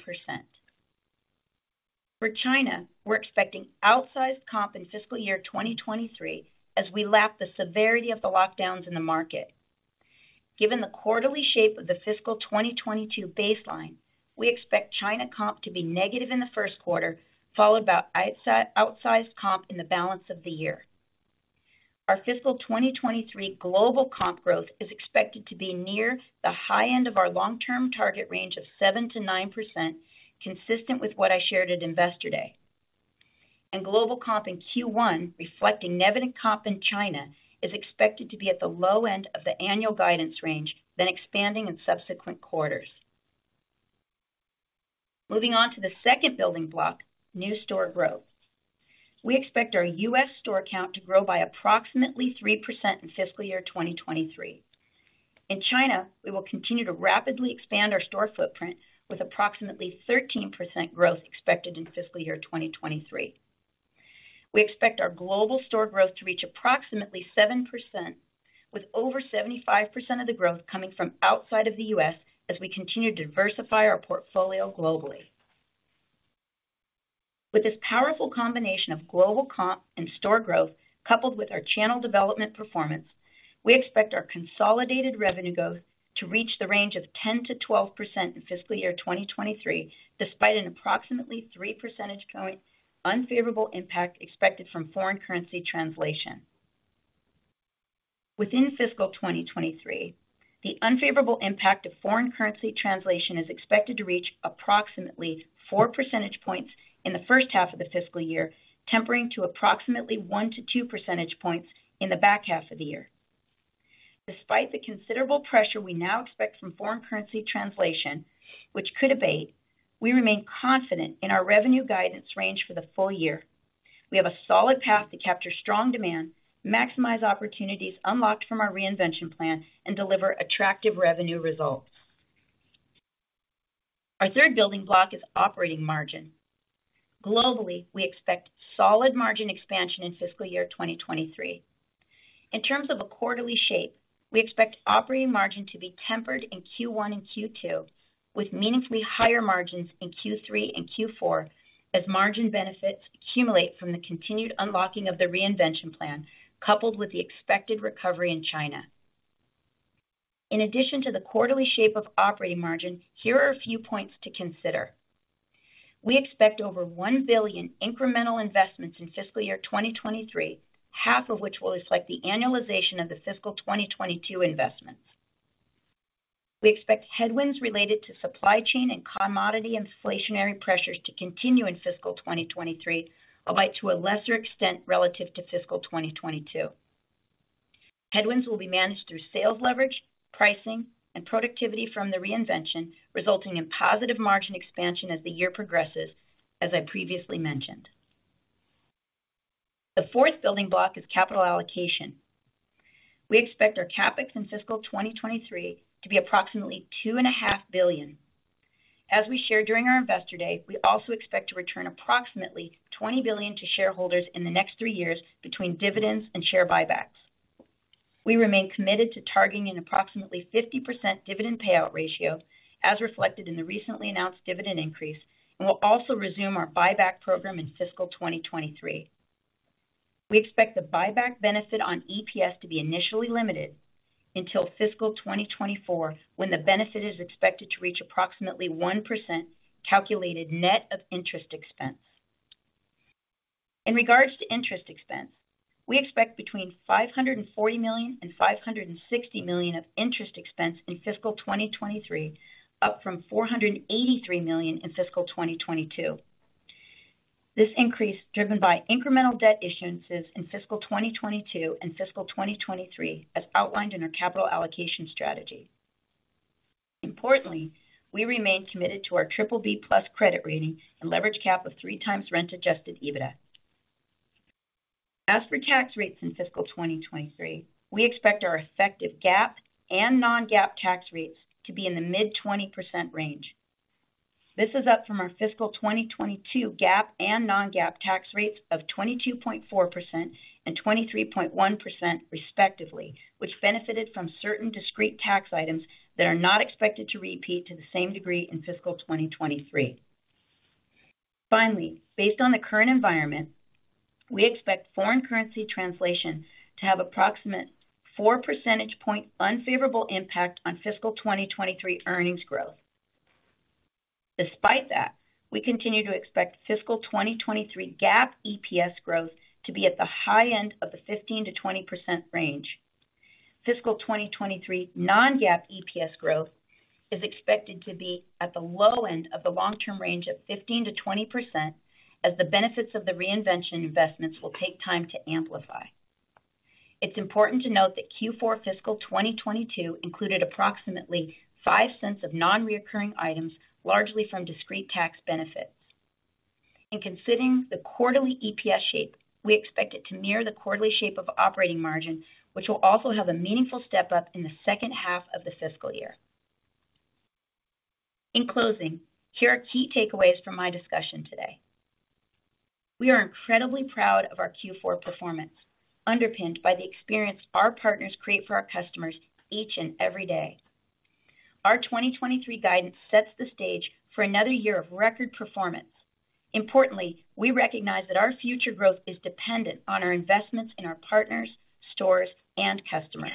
Speaker 6: For China, we're expecting outsized comp in fiscal year 2023 as we lap the severity of the lockdowns in the market. Given the quarterly shape of the fiscal 2022 baseline, we expect China comp to be negative in the first quarter, followed by outsized comp in the balance of the year. Our fiscal 2023 global comp growth is expected to be near the high end of our long-term target range of 7%-9%, consistent with what I shared at Investor Day. Global comp in Q1, reflecting negative comp in China, is expected to be at the low end of the annual guidance range then expanding in subsequent quarters. Moving on to the second building block, new store growth. We expect our U.S. store count to grow by approximately 3% in fiscal year 2023. In China, we will continue to rapidly expand our store footprint with approximately 13% growth expected in fiscal year 2023. We expect our global store growth to reach approximately 7%, with over 75% of the growth coming from outside of the U.S. as we continue to diversify our portfolio globally. With this powerful combination of global comp and store growth, coupled with our channel development performance, we expect our consolidated revenue growth to reach the range of 10%-12% in fiscal year 2023, despite an approximately 3 percentage point unfavorable impact expected from foreign currency translation. Within fiscal 2023, the unfavorable impact of foreign currency translation is expected to reach approximately 4 percentage points in the first half of the fiscal year, tempering to approximately 1-2 percentage points in the back half of the year. Despite the considerable pressure we now expect from foreign currency translation, which could abate, we remain confident in our revenue guidance range for the full year. We have a solid path to capture strong demand, maximize opportunities unlocked from our reinvention plan, and deliver attractive revenue results. Our third building block is operating margin. Globally, we expect solid margin expansion in fiscal year 2023. In terms of a quarterly shape, we expect operating margin to be tempered in Q1 and Q2, with meaningfully higher margins in Q3 and Q4 as margin benefits accumulate from the continued unlocking of the reinvention plan, coupled with the expected recovery in China. In addition to the quarterly shape of operating margin, here are a few points to consider. We expect over $1 billion incremental investments in fiscal year 2023, half of which will reflect the annualization of the fiscal 2022 investments. We expect headwinds related to supply chain and commodity inflationary pressures to continue in fiscal year 2023, albeit to a lesser extent relative to fiscal 2022. Headwinds will be managed through sales leverage, pricing, and productivity from the reinvention, resulting in positive margin expansion as the year progresses, as I previously mentioned. The fourth building block is capital allocation. We expect our CapEx in fiscal 2023 to be approximately $2.5 billion. As we shared during our Investor Day, we also expect to return approximately $20 billion to shareholders in the next 3 years between dividends and share buybacks. We remain committed to targeting an approximately 50% dividend payout ratio, as reflected in the recently announced dividend increase, and we'll also resume our buyback program in fiscal 2023. We expect the buyback benefit on EPS to be initially limited until fiscal 2024, when the benefit is expected to reach approximately 1% calculated net of interest expense. In regards to interest expense, we expect between $540 million and $560 million of interest expense in fiscal 2023, up from $483 million in fiscal 2022. This increase driven by incremental debt issuances in fiscal 2022 and fiscal 2023, as outlined in our capital allocation strategy. Importantly, we remain committed to our triple-B plus credit rating and leverage cap of 3x rent-adjusted EBITDA. As for tax rates in fiscal 2023, we expect our effective GAAP and non-GAAP tax rates to be in the mid-20% range. This is up from our fiscal 2022 GAAP and non-GAAP tax rates of 22.4% and 23.1% respectively, which benefited from certain discrete tax items that are not expected to repeat to the same degree in fiscal 2023. Finally, based on the current environment, we expect foreign currency translation to have approximate 4 percentage point unfavorable impact on fiscal 2023 earnings growth. Despite that, we continue to expect fiscal 2023 GAAP EPS growth to be at the high end of the 15-20% range. Fiscal 2023 non-GAAP EPS growth is expected to be at the low end of the long-term range of 15%-20% as the benefits of the reinvention investments will take time to amplify. It's important to note that Q4 fiscal 2022 included approximately $0.05 of non-recurring items, largely from discrete tax benefits. In considering the quarterly EPS shape, we expect it to mirror the quarterly shape of operating margin, which will also have a meaningful step up in the second half of the fiscal year. In closing, here are key takeaways from my discussion today. We are incredibly proud of our Q4 performance, underpinned by the experience our partners create for our customers each and every day. Our 2023 guidance sets the stage for another year of record performance. Importantly, we recognize that our future growth is dependent on our investments in our partners, stores, and customers.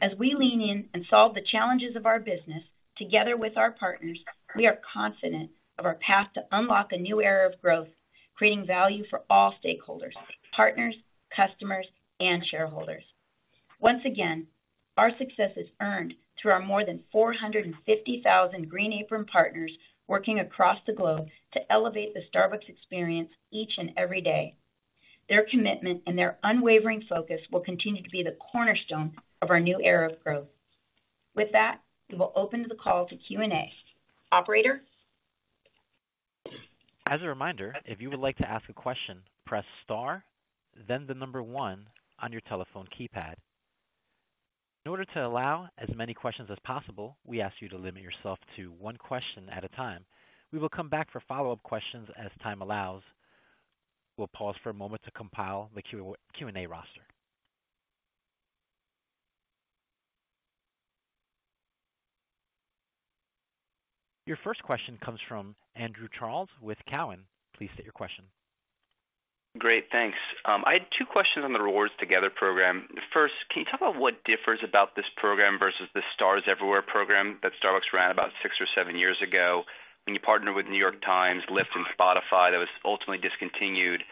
Speaker 6: As we lean in and solve the challenges of our business together with our partners, we are confident of our path to unlock a new era of growth, creating value for all stakeholders, partners, customers, and shareholders. Once again, our success is earned through our more than 450,000 Green Apron partners working across the globe to elevate the Starbucks experience each and every day. Their commitment and their unwavering focus will continue to be the cornerstone of our new era of growth. With that, we will open the call to Q&A. Operator.
Speaker 1: As a reminder, if you would like to ask a question, press star, then the number one on your telephone keypad. In order to allow as many questions as possible, we ask you to limit yourself to one question at a time. We will come back for follow-up questions as time allows. We'll pause for a moment to compile the Q&A roster. Your first question comes from Andrew Charles with Cowen. Please state your question.
Speaker 7: Great, thanks. I had two questions on the Reward Together program. First, can you talk about what differs about this program versus the Stars Everywhere program that Starbucks ran about six or seven years ago when you partnered with The New York Times, Lyft, and Spotify that was ultimately discontinued?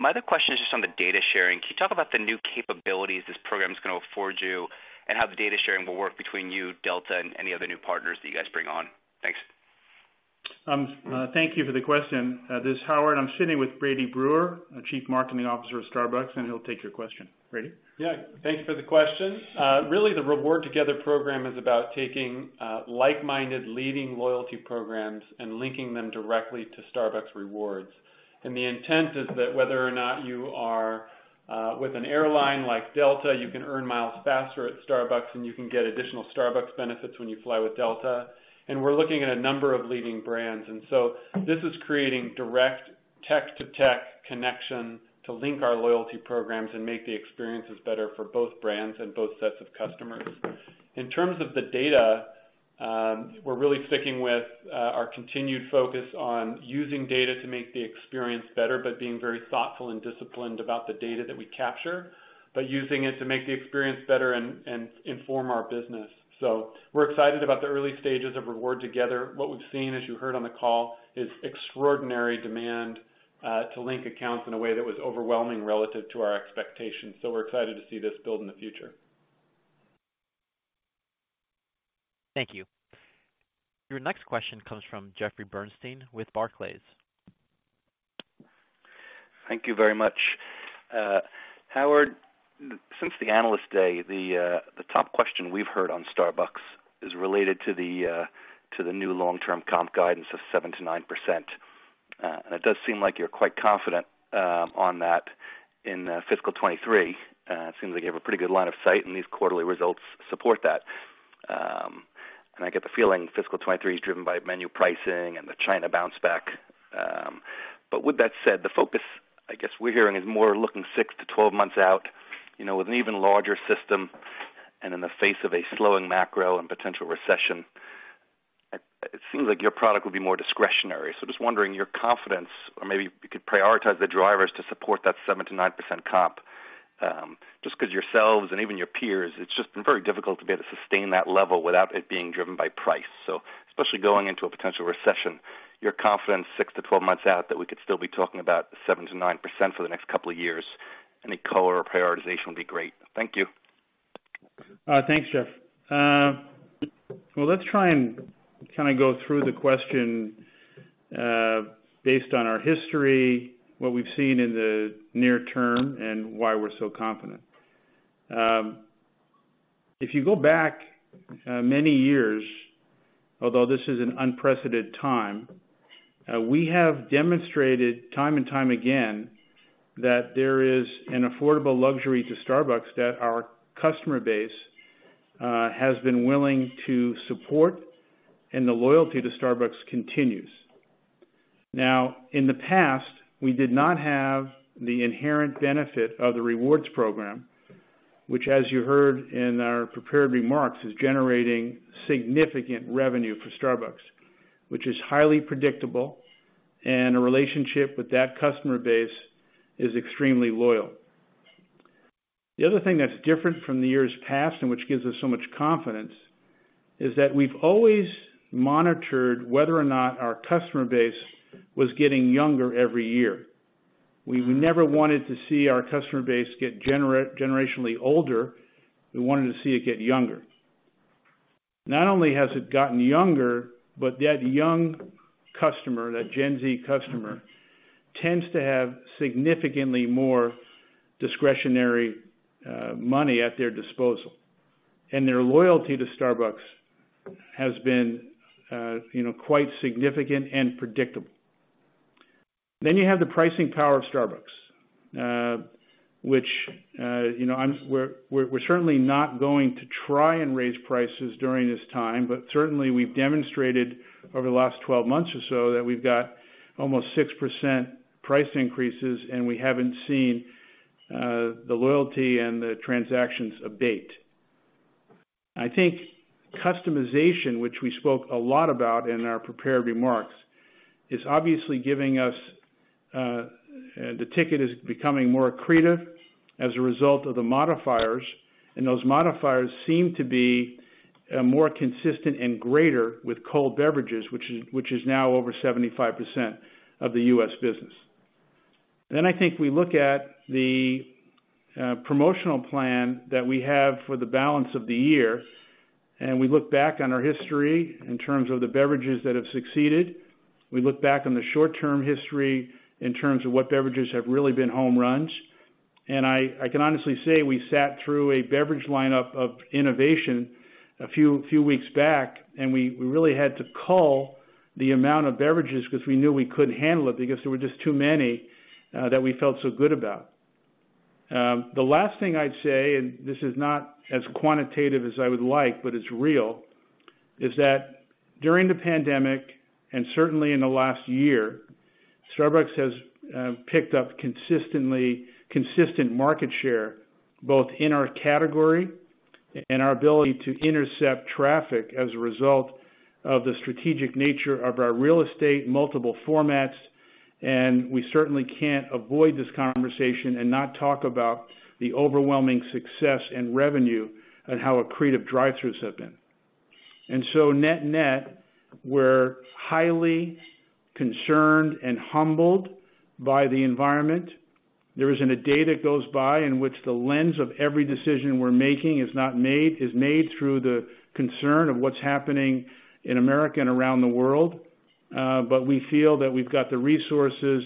Speaker 7: My other question is just on the data sharing. Can you talk about the new capabilities this program is going to afford you and how the data sharing will work between you, Delta Air Lines, and any other new partners that you guys bring on? Thanks.
Speaker 3: Thank you for the question. This is Howard. I'm sitting with Brady Brewer, Chief Marketing Officer of Starbucks, and he'll take your question. Brady.
Speaker 8: Yeah. Thanks for the question. Really, the Reward Together program is about taking like-minded leading loyalty programs and linking them directly to Starbucks Rewards. The intent is that whether or not you are with an airline like Delta, you can earn miles faster at Starbucks, and you can get additional Starbucks benefits when you fly with Delta. We're looking at a number of leading brands. This is creating direct tech-to-tech connection to link our loyalty programs and make the experiences better for both brands and both sets of customers. In terms of the data, we're really sticking with our continued focus on using data to make the experience better, but being very thoughtful and disciplined about the data that we capture, but using it to make the experience better and inform our business. We're excited about the early stages of Reward Together. What we've seen, as you heard on the call, is extraordinary demand to link accounts in a way that was overwhelming relative to our expectations. We're excited to see this build in the future.
Speaker 1: Thank you. Your next question comes from Jeffrey Bernstein with Barclays.
Speaker 9: Thank you very much. Howard, since the Analyst Day, the top question we've heard on Starbucks is related to the new long-term comp guidance of 7%-9%. It does seem like you're quite confident on that in fiscal 2023. It seems like you have a pretty good line of sight, and these quarterly results support that. I get the feeling fiscal 2023 is driven by menu pricing and the China bounce back. With that said, the focus, I guess, we're hearing is more looking six to 12 months out, you know, with an even larger system and in the face of a slowing macro and potential recession. It seems like your product will be more discretionary. Just wondering your confidence or maybe you could prioritize the drivers to support that 7%-9% comp, just 'cause yourselves and even your peers, it's just been very difficult to be able to sustain that level without it being driven by price. Especially going into a potential recession, your confidence six to 12 months out, that we could still be talking about 7%-9% for the next couple of years. Any color or prioritization would be great. Thank you.
Speaker 3: Thanks, Jeff. Well, let's try and kinda go through the question based on our history, what we've seen in the near term, and why we're so confident. If you go back many years, although this is an unprecedented time, we have demonstrated time and time again that there is an affordable luxury to Starbucks that our customer base has been willing to support, and the loyalty to Starbucks continues. Now, in the past, we did not have the inherent benefit of the rewards program, which, as you heard in our prepared remarks, is generating significant revenue for Starbucks, which is highly predictable, and a relationship with that customer base is extremely loyal. The other thing that's different from the years past, and which gives us so much confidence, is that we've always monitored whether or not our customer base was getting younger every year. We never wanted to see our customer base get generationally older. We wanted to see it get younger. Not only has it gotten younger, but that young customer, that Gen Z customer, tends to have significantly more discretionary money at their disposal, and their loyalty to Starbucks has been, you know, quite significant and predictable. You have the pricing power of Starbucks, which, you know, we're certainly not going to try and raise prices during this time, but certainly we've demonstrated over the last 12 months or so that we've got almost 6% price increases, and we haven't seen the loyalty and the transactions abate. I think customization, which we spoke a lot about in our prepared remarks, is obviously giving us the ticket is becoming more accretive as a result of the modifiers, and those modifiers seem to be more consistent and greater with cold beverages, which is now over 75% of the U.S. business. I think we look at the promotional plan that we have for the balance of the year, and we look back on our history in terms of the beverages that have succeeded. We look back on the short term history in terms of what beverages have really been home runs. I can honestly say we sat through a beverage lineup of innovation a few weeks back, and we really had to cull the amount of beverages because we knew we couldn't handle it because there were just too many that we felt so good about. The last thing I'd say, and this is not as quantitative as I would like, but it's real, is that during the pandemic, and certainly in the last year, Starbucks has picked up consistent market share, both in our category and our ability to intercept traffic as a result of the strategic nature of our real estate, multiple formats, and we certainly can't avoid this conversation and not talk about the overwhelming success and revenue and how accretive drive-throughs have been. Net-net, we're highly concerned and humbled by the environment. There isn't a day that goes by in which the lens of every decision we're making is made through the concern of what's happening in America and around the world. We feel that we've got the resources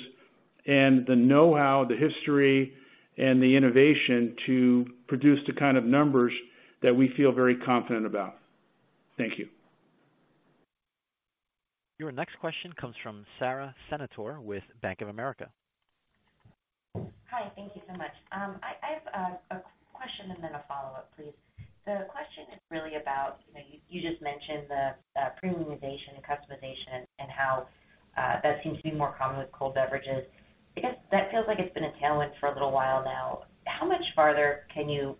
Speaker 3: and the know-how, the history and the innovation to produce the kind of numbers that we feel very confident about. Thank you.
Speaker 1: Your next question comes from Sara Senatore with Bank of America.
Speaker 10: Hi. Thank you so much. I have a question and then a follow-up, please. The question is really about, you know, you just mentioned the premiumization, the customization and how that seems to be more common with cold beverages. I guess that feels like it's been a tailwind for a little while now. How much farther can you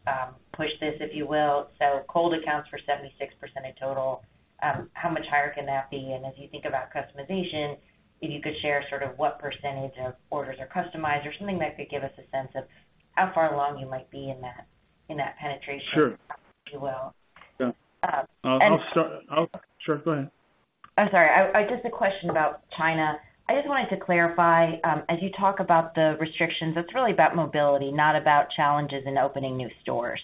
Speaker 10: push this, if you will? So cold accounts for 76% of total. How much higher can that be? And as you think about customization, if you could share sort of what percentage of orders are customized or something that could give us a sense of how far along you might be in that penetration.
Speaker 3: Sure.
Speaker 10: If you will.
Speaker 3: I'll start. Sure, go ahead.
Speaker 10: I'm sorry. I just have a question about China. I just wanted to clarify, as you talk about the restrictions, it's really about mobility, not about challenges in opening new stores.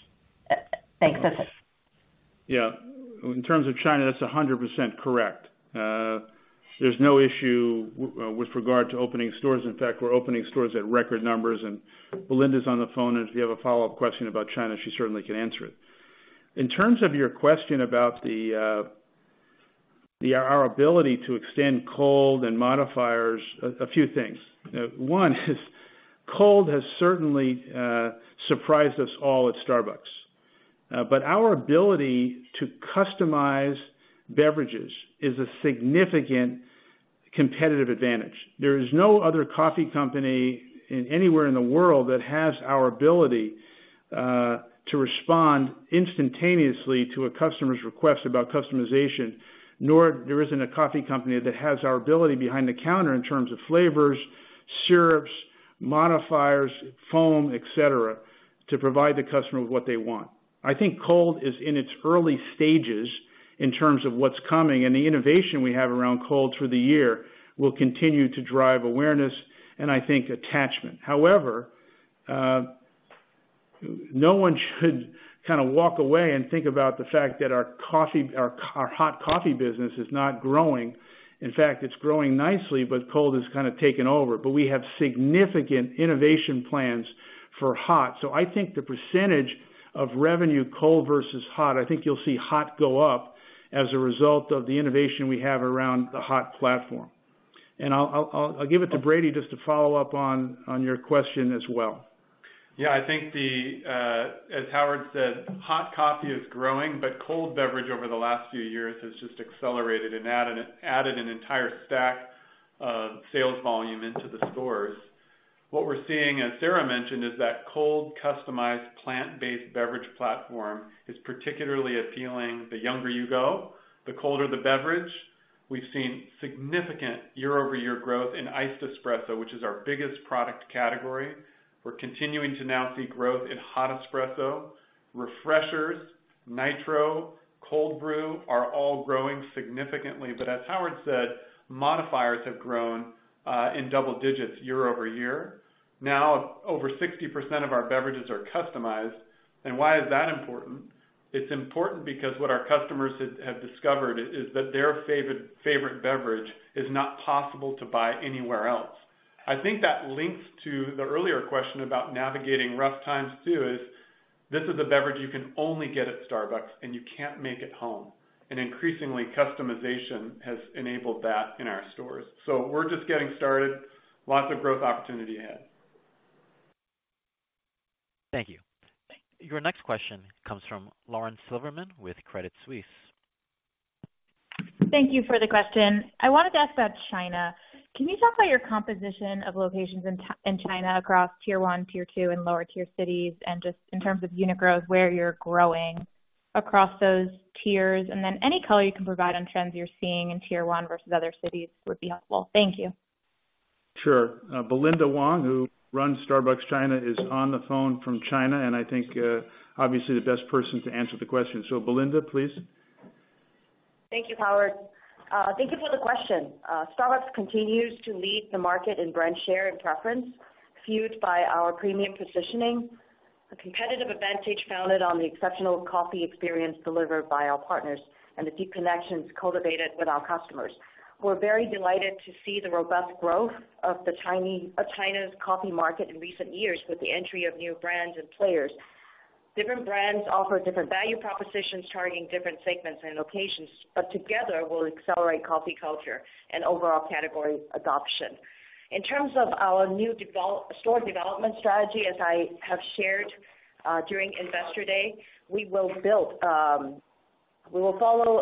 Speaker 10: Thanks. That's it.
Speaker 3: Yeah. In terms of China, that's 100% correct. There's no issue with regard to opening stores. In fact, we're opening stores at record numbers, and Belinda's on the phone, and if you have a follow-up question about China, she certainly can answer it. In terms of your question about our ability to extend cold and modifiers, a few things. One is cold has certainly surprised us all at Starbucks, but our ability to customize beverages is a significant competitive advantage. There is no other coffee company anywhere in the world that has our ability to respond instantaneously to a customer's request about customization, nor there isn't a coffee company that has our ability behind the counter in terms of flavors, syrups, modifiers, foam, et cetera, to provide the customer with what they want. I think cold is in its early stages in terms of what's coming, and the innovation we have around cold through the year will continue to drive awareness and I think attachment. However, no one should kind of walk away and think about the fact that our coffee, our hot coffee business is not growing. In fact, it's growing nicely, but cold has kind of taken over. We have significant innovation plans for hot. I think the percentage of revenue, cold versus hot, I think you'll see hot go up as a result of the innovation we have around the hot platform. I'll give it to Brady just to follow up on your question as well.
Speaker 8: Yeah. I think, as Howard said, hot coffee is growing, but cold beverage over the last few years has just accelerated and added an entire stack of sales volume into the stores. What we're seeing, as Sarah mentioned, is that cold, customized, plant-based beverage platform is particularly appealing the younger you go, the colder the beverage. We've seen significant year-over-year growth in iced espresso, which is our biggest product category. We're continuing to now see growth in hot espresso, Refreshers, Nitro, Cold Brew are all growing significantly. But as Howard said, modifiers have grown in double digits year-over-year. Now, over 60% of our beverages are customized. Why is that important? It's important because what our customers have discovered is that their favorite beverage is not possible to buy anywhere else. I think that links to the earlier question about navigating rough times too, is this a beverage you can only get at Starbucks and you can't make at home. Increasingly, customization has enabled that in our stores. We're just getting started. Lots of growth opportunity ahead.
Speaker 1: Thank you. Your next question comes from Lauren Silberman with Credit Suisse.
Speaker 11: Thank you for the question. I wanted to ask about China. Can you talk about your composition of locations in China across tier one, tier two, and lower tier cities, and just in terms of unit growth, where you're growing across those tiers? Any color you can provide on trends you're seeing in tier one versus other cities would be helpful. Thank you.
Speaker 3: Sure. Belinda Wong, who runs Starbucks China, is on the phone from China, and I think, obviously the best person to answer the question. Belinda, please.
Speaker 12: Thank you, Howard. Thank you for the question. Starbucks continues to lead the market in brand share and preference, fueled by our premium positioning, a competitive advantage founded on the exceptional coffee experience delivered by our partners and the deep connections cultivated with our customers. We're very delighted to see the robust growth of China's coffee market in recent years with the entry of new brands and players. Different brands offer different value propositions targeting different segments and locations, but together will accelerate coffee culture and overall category adoption. In terms of our store development strategy, as I have shared during Investor Day, we will follow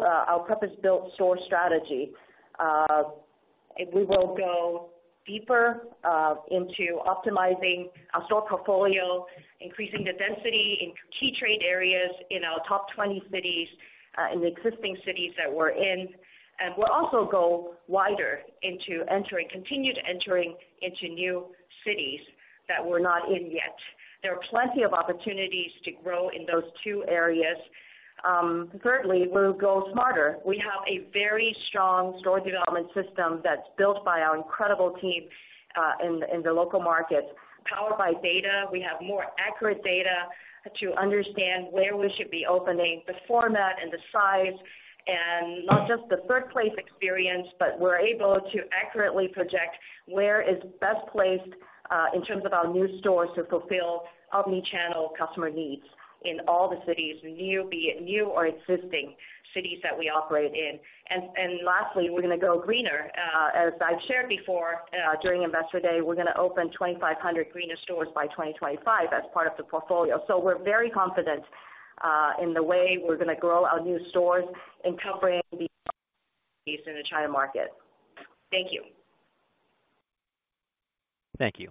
Speaker 12: our purpose-built store strategy. We will go deeper into optimizing our store portfolio, increasing the density in key trade areas in our top 20 cities, in the existing cities that we're in. We'll also go wider into continued entering into new cities that we're not in yet. There are plenty of opportunities to grow in those two areas. Thirdly, we'll go smarter. We have a very strong store development system that's built by our incredible team in the local markets, powered by data. We have more accurate data to understand where we should be opening, the format, and the size, and not just the third place experience, but we're able to accurately project where is best placed in terms of our new stores to fulfill omni-channel customer needs in all the cities, new, be it new or existing cities that we operate in. Last, we're going to go greener. As I've shared before, during Investor Day, we're gonna open 2,500 greener stores by 2025 as part of the portfolio. We're very confident in the way we're gonna grow our new stores, encompassing these in the China market. Thank you.
Speaker 1: Thank you.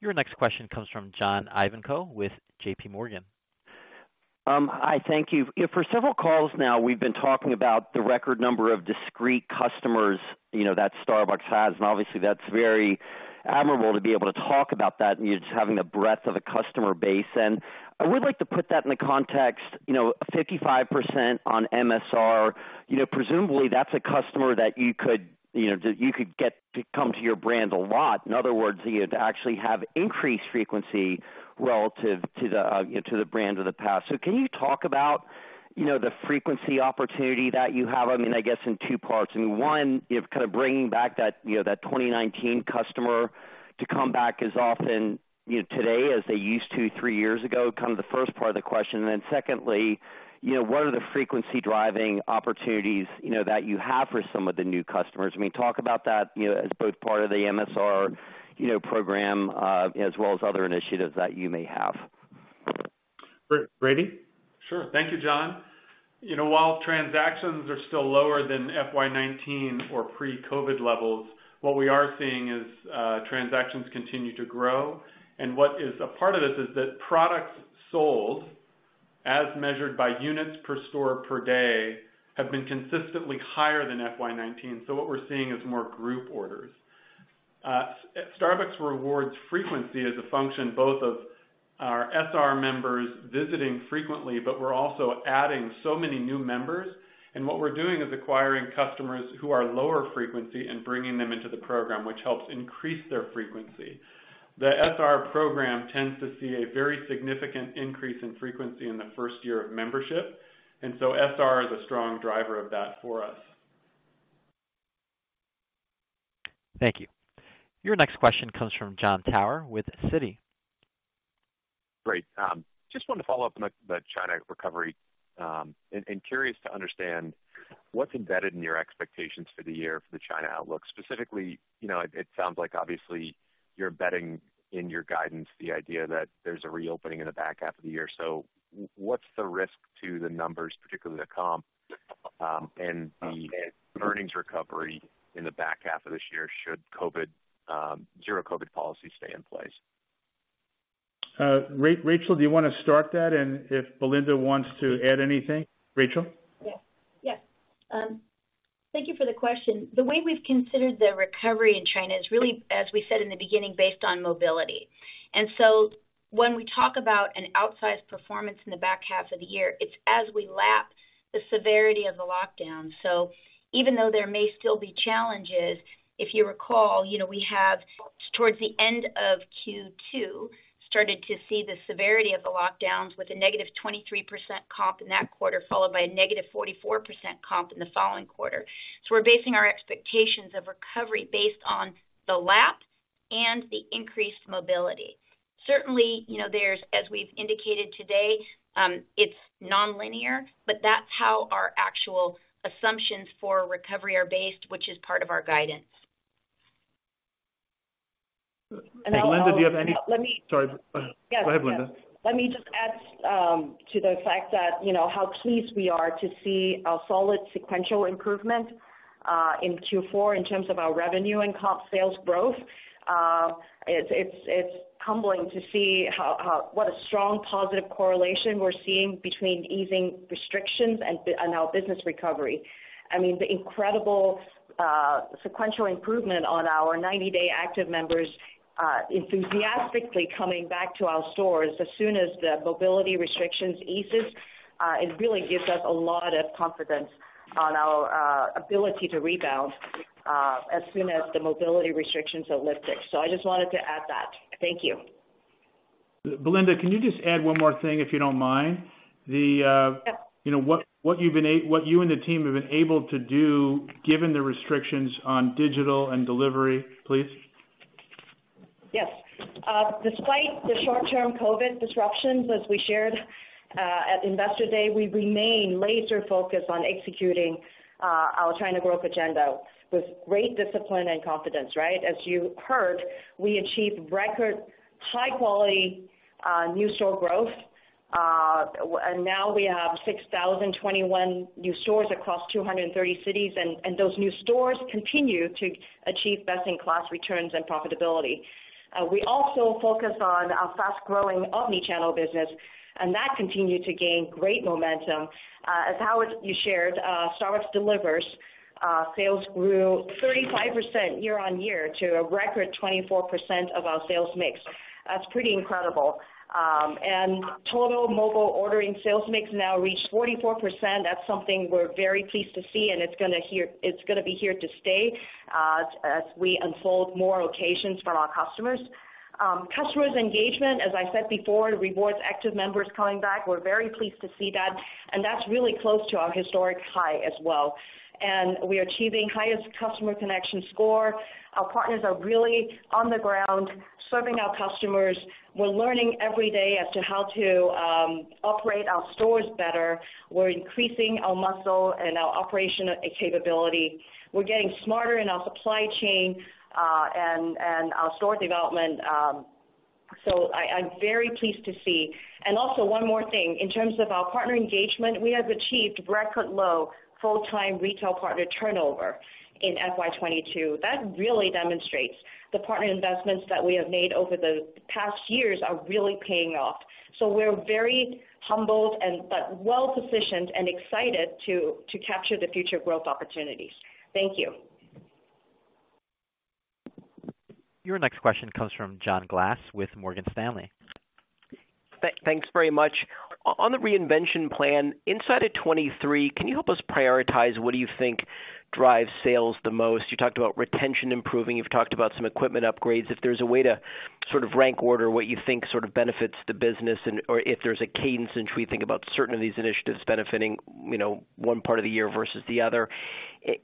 Speaker 1: Your next question comes from John Ivankoe with JP Morgan.
Speaker 13: Hi. Thank you. For several calls now, we've been talking about the record number of discrete customers, you know, that Starbucks has, and obviously, that's very admirable to be able to talk about that, you just having a breadth of a customer base. I would like to put that in the context, you know, 55% on MSR. You know, presumably that's a customer that you could, you know, get to come to your brand a lot. In other words, you'd actually have increased frequency relative to the, you know, to the brand of the past. Can you talk about, you know, the frequency opportunity that you have? I mean, I guess in two parts. I mean, one, you know, kind of bringing back that, you know, that 2019 customer to come back as often, you know, today as they used to three years ago, kind of the first part of the question. Secondly, you know, what are the frequency-driving opportunities, you know, that you have for some of the new customers? I mean, talk about that, you know, as both part of the MSR, you know, program, as well as other initiatives that you may have.
Speaker 3: Brady?
Speaker 8: Sure. Thank you, John. You know, while transactions are still lower than FY 2019 or pre-COVID levels, what we are seeing is, transactions continue to grow. What is a part of this is that products sold, as measured by units per store per day, have been consistently higher than FY 2019. What we're seeing is more group orders. Starbucks Rewards frequency as a function both of our SR members visiting frequently, but we're also adding so many new members. What we're doing is acquiring customers who are lower frequency and bringing them into the program, which helps increase their frequency. The SR program tends to see a very significant increase in frequency in the first year of membership, and so SR is a strong driver of that for us.
Speaker 1: Thank you. Your next question comes from Jon Tower with Citi.
Speaker 14: Great. Just want to follow up on the China recovery, and curious to understand what's embedded in your expectations for the year for the China outlook. Specifically, you know, it sounds like obviously you're embedding in your guidance the idea that there's a reopening in the back half of the year. What's the risk to the numbers, particularly the comp, and the earnings recovery in the back half of this year should zero-COVID policy stay in place?
Speaker 3: Rachel, do you want to start that? If Belinda wants to add anything. Rachel?
Speaker 6: Thank you for the question. The way we've considered the recovery in China is really, as we said in the beginning, based on mobility. When we talk about an outsized performance in the back half of the year, it's as we lap the severity of the lockdown. Even though there may still be challenges, if you recall, you know, we have, towards the end of Q2, started to see the severity of the lockdowns with a negative 23% comp in that quarter, followed by a negative 44% comp in the following quarter. We're basing our expectations of recovery based on the lap and the increased mobility. Certainly, you know, there's, as we've indicated today, it's nonlinear, but that's how our actual assumptions for recovery are based, which is part of our guidance.
Speaker 3: Belinda, do you have any?
Speaker 12: Yeah, let me.
Speaker 3: Sorry. Go ahead, Belinda.
Speaker 12: Let me just add to the fact that, you know, how pleased we are to see a solid sequential improvement in Q4 in terms of our revenue and comp sales growth. It's humbling to see how what a strong positive correlation we're seeing between easing restrictions and our business recovery. I mean, the incredible sequential improvement on our 90-day active members enthusiastically coming back to our stores as soon as the mobility restrictions eases. It really gives us a lot of confidence on our ability to rebound as soon as the mobility restrictions are lifted. I just wanted to add that. Thank you.
Speaker 3: Belinda, can you just add one more thing, if you don't mind? The,
Speaker 12: Yeah.
Speaker 3: You know, what you and the team have been able to do, given the restrictions on digital and delivery, please.
Speaker 12: Yes. Despite the short-term COVID disruptions, as we shared at Investor Day, we remain laser focused on executing our China growth agenda with great discipline and confidence, right? As you heard, we achieved record high quality new store growth. Now we have 6,021 new stores across 230 cities, and those new stores continue to achieve best-in-class returns and profitability. We also focus on our fast-growing omni-channel business, and that continued to gain great momentum. As Howard, you shared, Starbucks Delivers sales grew 35% year-over-year to a record 24% of our sales mix. That's pretty incredible. Total mobile ordering sales mix now reached 44%. That's something we're very pleased to see, and it's gonna be here to stay, as we open more locations for our customers. Customer engagement, as I said before, Rewards active members coming back. We're very pleased to see that, and that's really close to our historic high as well. We are achieving highest customer connection score. Our partners are really on the ground serving our customers. We're learning every day as to how to operate our stores better. We're increasing our muscle and our operational capability. We're getting smarter in our supply chain and our store development. So I'm very pleased to see. Also one more thing, in terms of our partner engagement, we have achieved record low full-time retail partner turnover in FY 2022. That really demonstrates the partner investments that we have made over the past years are really paying off. We're very humbled and, but well-positioned and excited to capture the future growth opportunities. Thank you.
Speaker 1: Your next question comes from John Glass with Morgan Stanley.
Speaker 15: Thanks very much. On the reinvention plan, inside of 2023, can you help us prioritize what you think drives sales the most? You talked about retention improving. You've talked about some equipment upgrades. If there's a way to sort of rank order what you think sort of benefits the business and/or if there's a cadence in which we think about certain of these initiatives benefiting, you know, one part of the year versus the other.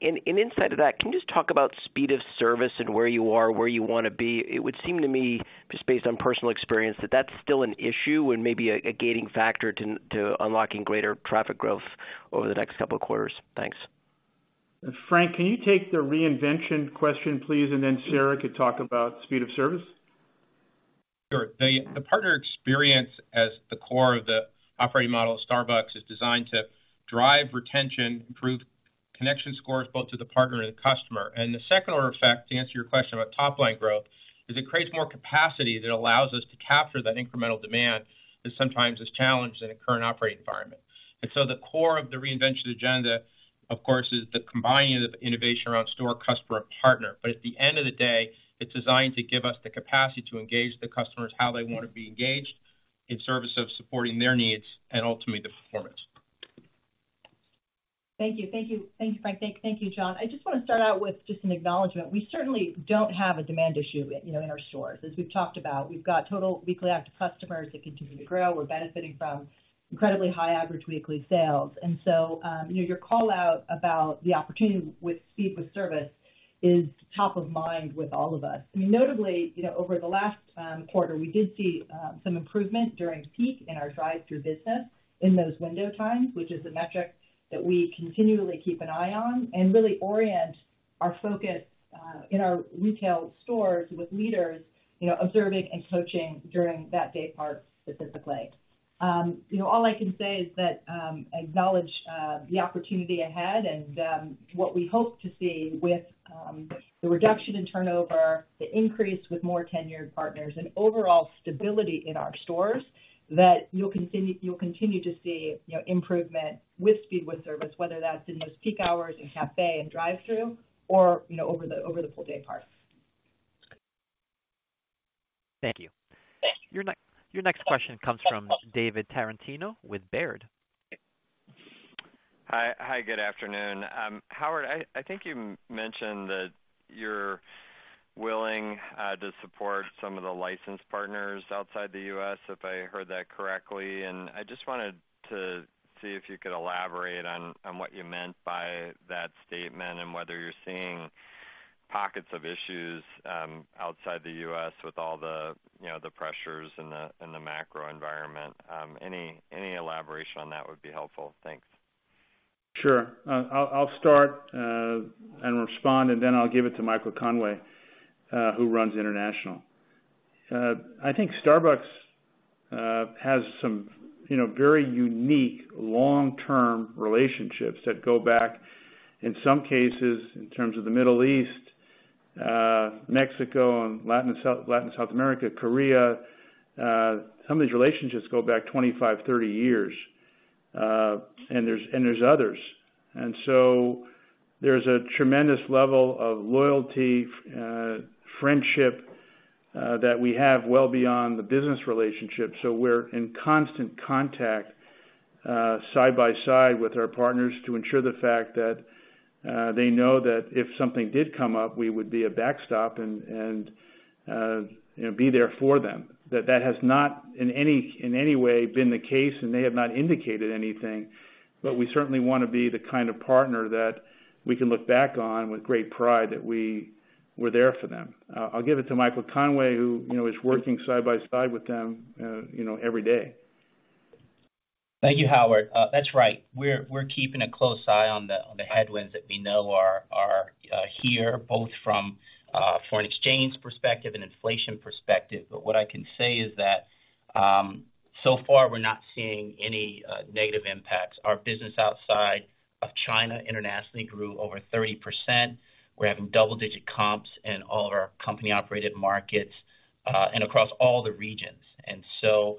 Speaker 15: And inside of that, can you just talk about speed of service and where you are, where you wanna be? It would seem to me, just based on personal experience, that that's still an issue and maybe a gating factor to unlocking greater traffic growth over the next couple of quarters. Thanks.
Speaker 3: Frank Britt, can you take the reinvention question, please, and then Sara Trilling could talk about speed of service.
Speaker 4: Sure. The partner experience as the core of the operating model of Starbucks is designed to drive retention, improve connection scores both to the partner and the customer. The second order effect, to answer your question about top line growth, is it creates more capacity that allows us to capture that incremental demand that sometimes is challenged in a current operating environment. The core of the reinvention agenda, of course, is the combining of innovation around store, customer, partner. At the end of the day, it's designed to give us the capacity to engage the customers how they wanna be engaged in service of supporting their needs and ultimately the performance.
Speaker 5: Thank you. Thank you. Thank you, Frank. Thank you, Jon. I just wanna start out with just an acknowledgement. We certainly don't have a demand issue, you know, in our stores. As we've talked about, we've got total weekly active customers that continue to grow. We're benefiting from incredibly high average weekly sales. Your call out about the opportunity with speed with service is top of mind with all of us. I mean, notably, you know, over the last quarter, we did see some improvement during peak in our drive-through business in those window times, which is a metric that we continually keep an eye on and really orient our focus. In our retail stores with leaders, you know, observing and coaching during that day part specifically. You know, all I can say is that the opportunity ahead and what we hope to see with the reduction in turnover, the increase with more tenured partners and overall stability in our stores, that you'll continue to see, you know, improvement with speed, with service, whether that's in those peak hours in café and drive-thru or, you know, over the full day parts.
Speaker 1: Thank you. Your next question comes from David Tarantino with Baird.
Speaker 16: Hi. Hi. Good afternoon. Howard, I think you mentioned that you're willing to support some of the licensed partners outside the U.S., if I heard that correctly. I just wanted to see if you could elaborate on what you meant by that statement and whether you're seeing pockets of issues outside the U.S. with all the, you know, the pressures in the macro environment. Any elaboration on that would be helpful. Thanks.
Speaker 3: Sure. I'll start and respond, and then I'll give it to Michael Conway, who runs international. I think Starbucks has some, you know, very unique long-term relationships that go back, in some cases, in terms of the Middle East, Mexico and Latin South America, Korea, some of these relationships go back 25, 30 years. And there are others. There's a tremendous level of loyalty, friendship, that we have well beyond the business relationship. We're in constant contact, side by side with our partners to ensure the fact that they know that if something did come up, we would be a backstop and, you know, be there for them. That has not in any way been the case, and they have not indicated anything. We certainly want to be the kind of partner that we can look back on with great pride that we were there for them. I'll give it to Michael Conway, who, you know, is working side by side with them, you know, every day.
Speaker 17: Thank you, Howard. That's right. We're keeping a close eye on the headwinds that we know are here, both from a foreign exchange perspective and inflation perspective. What I can say is that, so far, we're not seeing any negative impacts. Our business outside of China internationally grew over 30%. We're having double-digit comps in all of our company-operated markets and across all the regions. You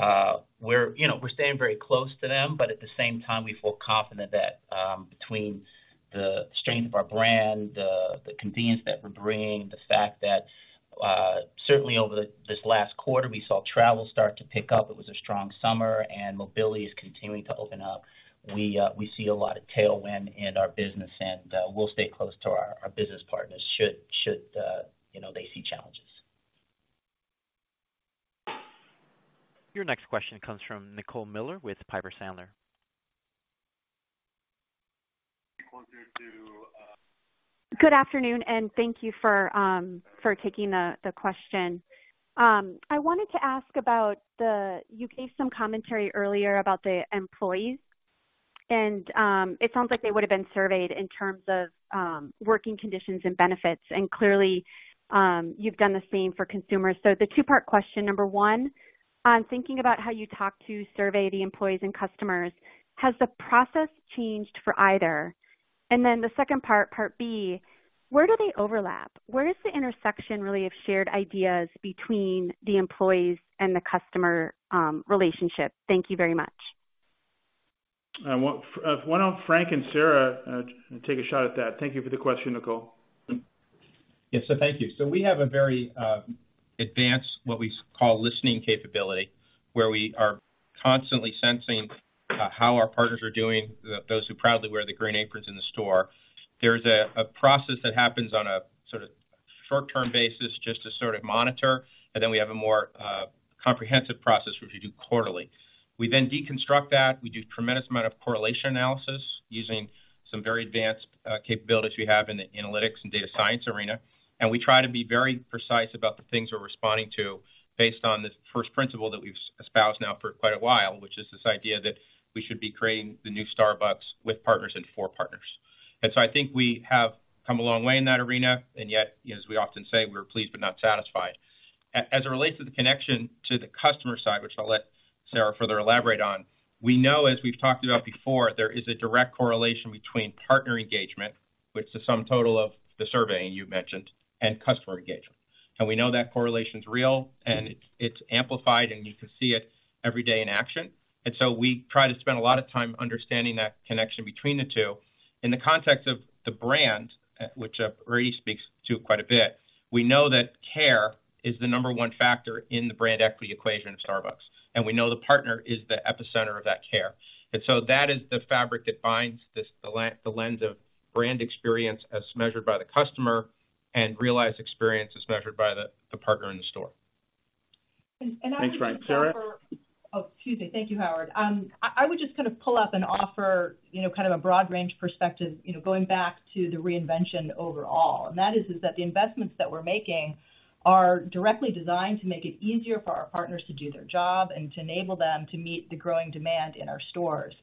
Speaker 17: know, we're staying very close to them, but at the same time, we feel confident that, between the strength of our brand, the convenience that we're bringing, the fact that, certainly over this last quarter, we saw travel start to pick up. It was a strong summer, and mobility is continuing to open up. We see a lot of tailwind in our business, and we'll stay close to our business partners should they see challenges.
Speaker 1: Your next question comes from Nicole Miller with Piper Sandler.
Speaker 18: Closer to,
Speaker 19: Good afternoon, thank you for taking the question. I wanted to ask. You gave some commentary earlier about the employees, and it sounds like they would have been surveyed in terms of working conditions and benefits. Clearly, you've done the same for consumers. The two-part question, number one, on thinking about how you talk to survey the employees and customers, has the process changed for either? Then the second part B, where do they overlap? Where is the intersection really of shared ideas between the employees and the customer relationship? Thank you very much.
Speaker 3: Why don't Frank and Sarah take a shot at that. Thank you for the question, Nicole.
Speaker 4: Yes, thank you. We have a very advanced, what we call listening capability, where we are constantly sensing how our partners are doing, those who proudly wear the Green Aprons in the store. There's a process that happens on a sort of short-term basis just to sort of monitor. We have a more comprehensive process, which we do quarterly. We deconstruct that. We do a tremendous amount of correlation analysis using some very advanced capabilities we have in the analytics and data science arena. We try to be very precise about the things we're responding to based on the first principle that we've espoused now for quite a while, which is this idea that we should be creating the new Starbucks with partners and for partners. I think we have come a long way in that arena. Yet, as we often say, we're pleased but not satisfied. As it relates to the connection to the customer side, which I'll let Sarah further elaborate on, we know, as we've talked about before, there is a direct correlation between partner engagement, which is sum total of the surveying you mentioned, and customer engagement. We know that correlation is real, and it's amplified, and you can see it every day in action. We try to spend a lot of time understanding that connection between the two. In the context of the brand, which really speaks to quite a bit, we know that care is the number one factor in the brand equity equation of Starbucks, and we know the partner is the epicenter of that care. That is the fabric that binds this, the lens of brand experience as measured by the customer and realized experience as measured by the partner in the store.
Speaker 5: I would just offer.
Speaker 3: Thanks, Frank. Sarah?
Speaker 5: Oh, excuse me. Thank you, Howard. I would just kind of pull up and offer, you know, kind of a broad range perspective, you know, going back to the reinvention overall, and that is that the investments that we're making are directly designed to make it easier for our partners to do their job and to enable them to meet the growing demand in our stores.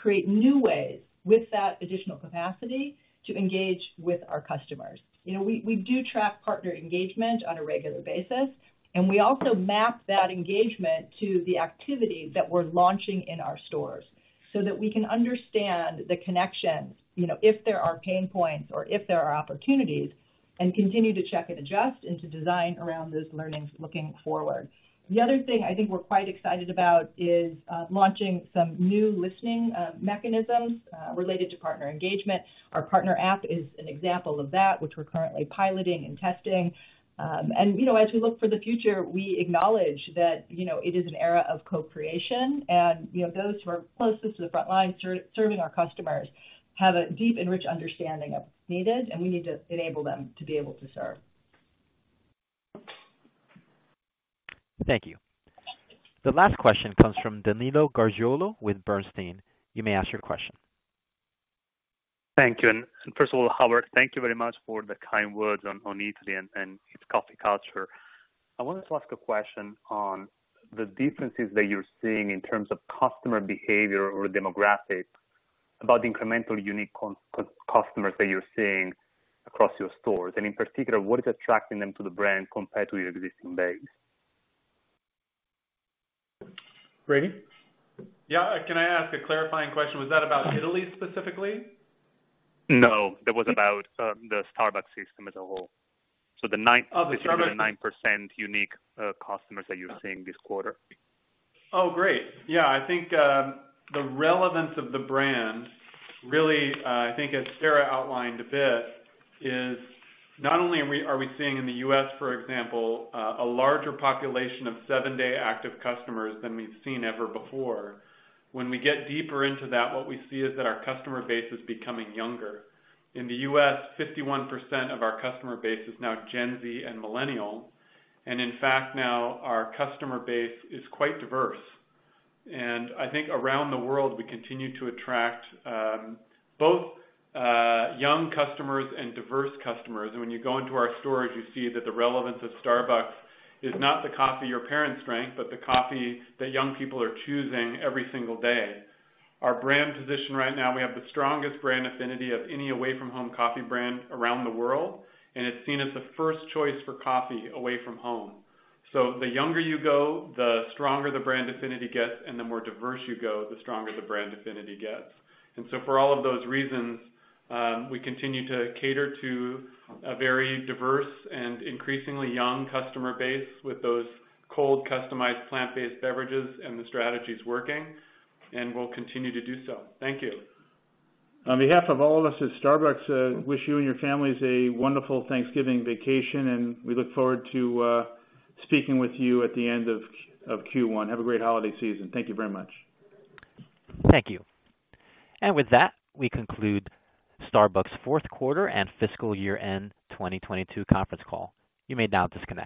Speaker 5: Create new ways with that additional capacity to engage with our customers. You know, we do track partner engagement on a regular basis, and we also map that engagement to the activity that we're launching in our stores so that we can understand the connections, you know, if there are pain points or if there are opportunities, and continue to check and adjust and to design around those learnings looking forward. The other thing I think we're quite excited about is launching some new listening mechanisms related to partner engagement. Our partner app is an example of that, which we're currently piloting and testing. You know, as we look for the future, we acknowledge that, you know, it is an era of co-creation. You know, those who are closest to the front lines serving our customers have a deep and rich understanding of what's needed, and we need to enable them to be able to serve.
Speaker 1: Thank you. The last question comes from Danilo Gargiulo with Bernstein. You may ask your question.
Speaker 18: Thank you. First of all, Howard, thank you very much for the kind words on Italy and its coffee culture. I wanted to ask a question on the differences that you're seeing in terms of customer behavior or demographics about incremental unique customers that you're seeing across your stores. In particular, what is attracting them to the brand compared to your existing base?
Speaker 3: Brady?
Speaker 8: Yeah. Can I ask a clarifying question? Was that about Italy specifically?
Speaker 18: No. That was about, the Starbucks system as a whole. The nine-
Speaker 8: Of the Starbucks-
Speaker 18: The 9% unique customers that you're seeing this quarter.
Speaker 8: Oh, great. Yeah. I think the relevance of the brand really, I think as Sarah outlined a bit, is not only are we seeing in the U.S., for example, a larger population of seven-day active customers than we've seen ever before. When we get deeper into that, what we see is that our customer base is becoming younger. In the U.S., 51% of our customer base is now Gen Z and Millennial. In fact, now our customer base is quite diverse. I think around the world, we continue to attract both young customers and diverse customers. When you go into our stores, you see that the relevance of Starbucks is not the coffee your parents drank, but the coffee that young people are choosing every single day. Our brand position right now, we have the strongest brand affinity of any away from home coffee brand around the world, and it's seen as the first choice for coffee away from home. The younger you go, the stronger the brand affinity gets, and the more diverse you go, the stronger the brand affinity gets. For all of those reasons, we continue to cater to a very diverse and increasingly young customer base with those cold, customized plant-based beverages and the strategies working, and we'll continue to do so. Thank you.
Speaker 1: On behalf of all of us at Starbucks, wish you and your families a wonderful Thanksgiving vacation, and we look forward to speaking with you at the end of Q1. Have a great holiday season. Thank you very much.
Speaker 3: Thank you.
Speaker 1: With that, we conclude Starbucks' fourth quarter and fiscal year-end 2022 conference call. You may now disconnect.